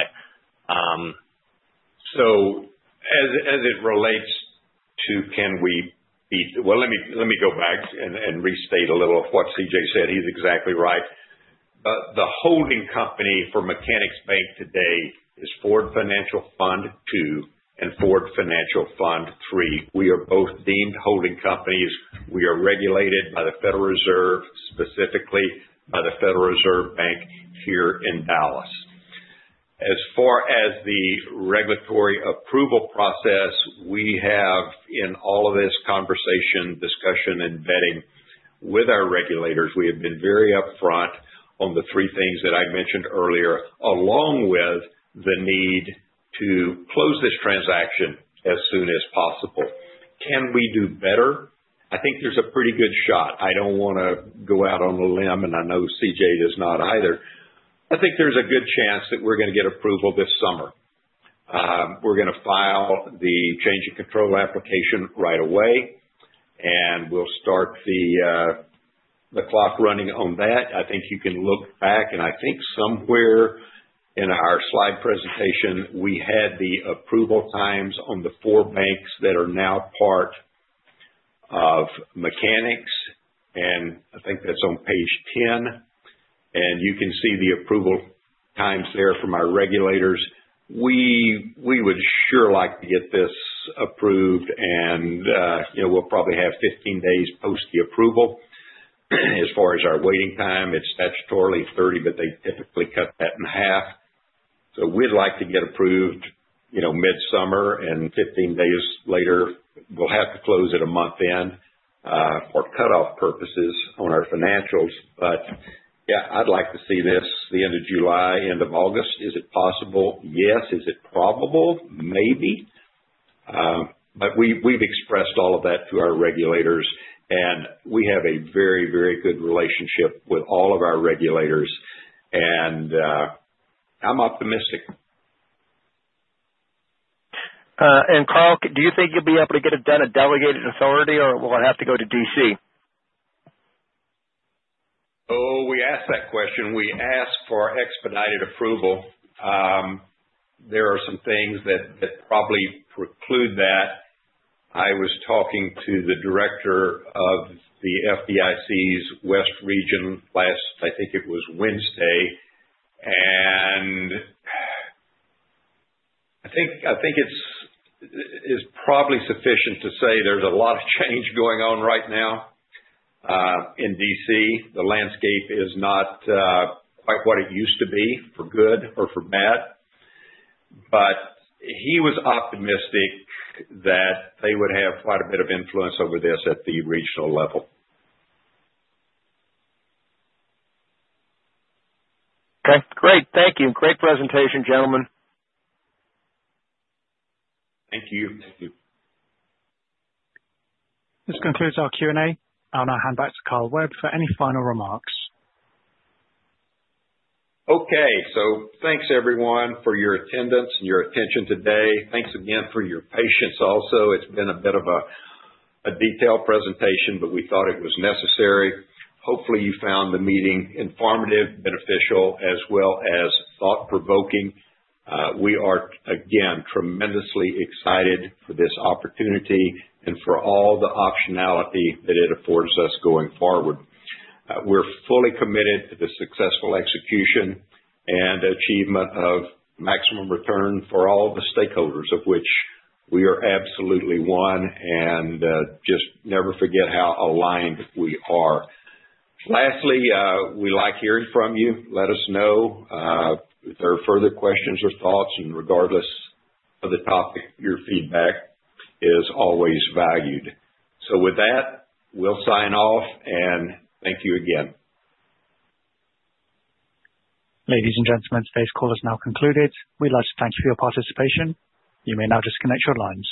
As it relates to can we be, let me go back and restate a little of what C.J. said. He's exactly right. The holding company for Mechanics Bank today is Ford Financial Fund II and Ford Financial Fund III. We are both deemed holding companies. We are regulated by the Federal Reserve, specifically by the Federal Reserve Bank here in Dallas. As far as the regulatory approval process, we have, in all of this conversation, discussion, and vetting with our regulators, we have been very upfront on the three things that I mentioned earlier, along with the need to close this transaction as soon as possible. Can we do better? I think there's a pretty good shot. I don't want to go out on a limb, and I know C.J. does not either. I think there's a good chance that we're going to get approval this summer. We're going to file the change of control application right away, and we'll start the clock running on that. I think you can look back, and I think somewhere in our slide presentation, we had the approval times on the four banks that are now part of Mechanics. I think that's on page 10. You can see the approval times there from our regulators. We would sure like to get this approved, and we'll probably have 15 days post the approval. As far as our waiting time, it's statutorily 30, but they typically cut that in half. We'd like to get approved mid-summer, and 15 days later, we'll have to close at a month end for cutoff purposes on our financials. Yeah, I'd like to see this the end of July, end of August. Is it possible? Yes. Is it probable? Maybe. We've expressed all of that to our regulators, and we have a very, very good relationship with all of our regulators. I'm optimistic. Carl, do you think you'll be able to get it done at delegated authority, or will it have to go to DC? Oh, we asked that question. We asked for expedited approval. There are some things that probably preclude that. I was talking to the director of the FDIC's West Region last, I think it was Wednesday. I think it's probably sufficient to say there's a lot of change going on right now in DC. The landscape is not quite what it used to be for good or for bad. He was optimistic that they would have quite a bit of influence over this at the regional level. Okay. Great. Thank you. Great presentation, gentlemen. Thank you. This concludes our Q&A. I'll now hand back to Carl Webb for any final remarks. Okay. Thanks, everyone, for your attendance and your attention today. Thanks again for your patience also. It has been a bit of a detailed presentation, but we thought it was necessary. Hopefully, you found the meeting informative, beneficial, as well as thought-provoking. We are, again, tremendously excited for this opportunity and for all the optionality that it affords us going forward. We are fully committed to the successful execution and achievement of maximum return for all the stakeholders, of which we are absolutely one. Just never forget how aligned we are. Lastly, we like hearing from you. Let us know if there are further questions or thoughts. Regardless of the topic, your feedback is always valued. With that, we will sign off, and thank you again. Ladies and gentlemen, today's call has now concluded. We'd like to thank you for your participation. You may now disconnect your lines.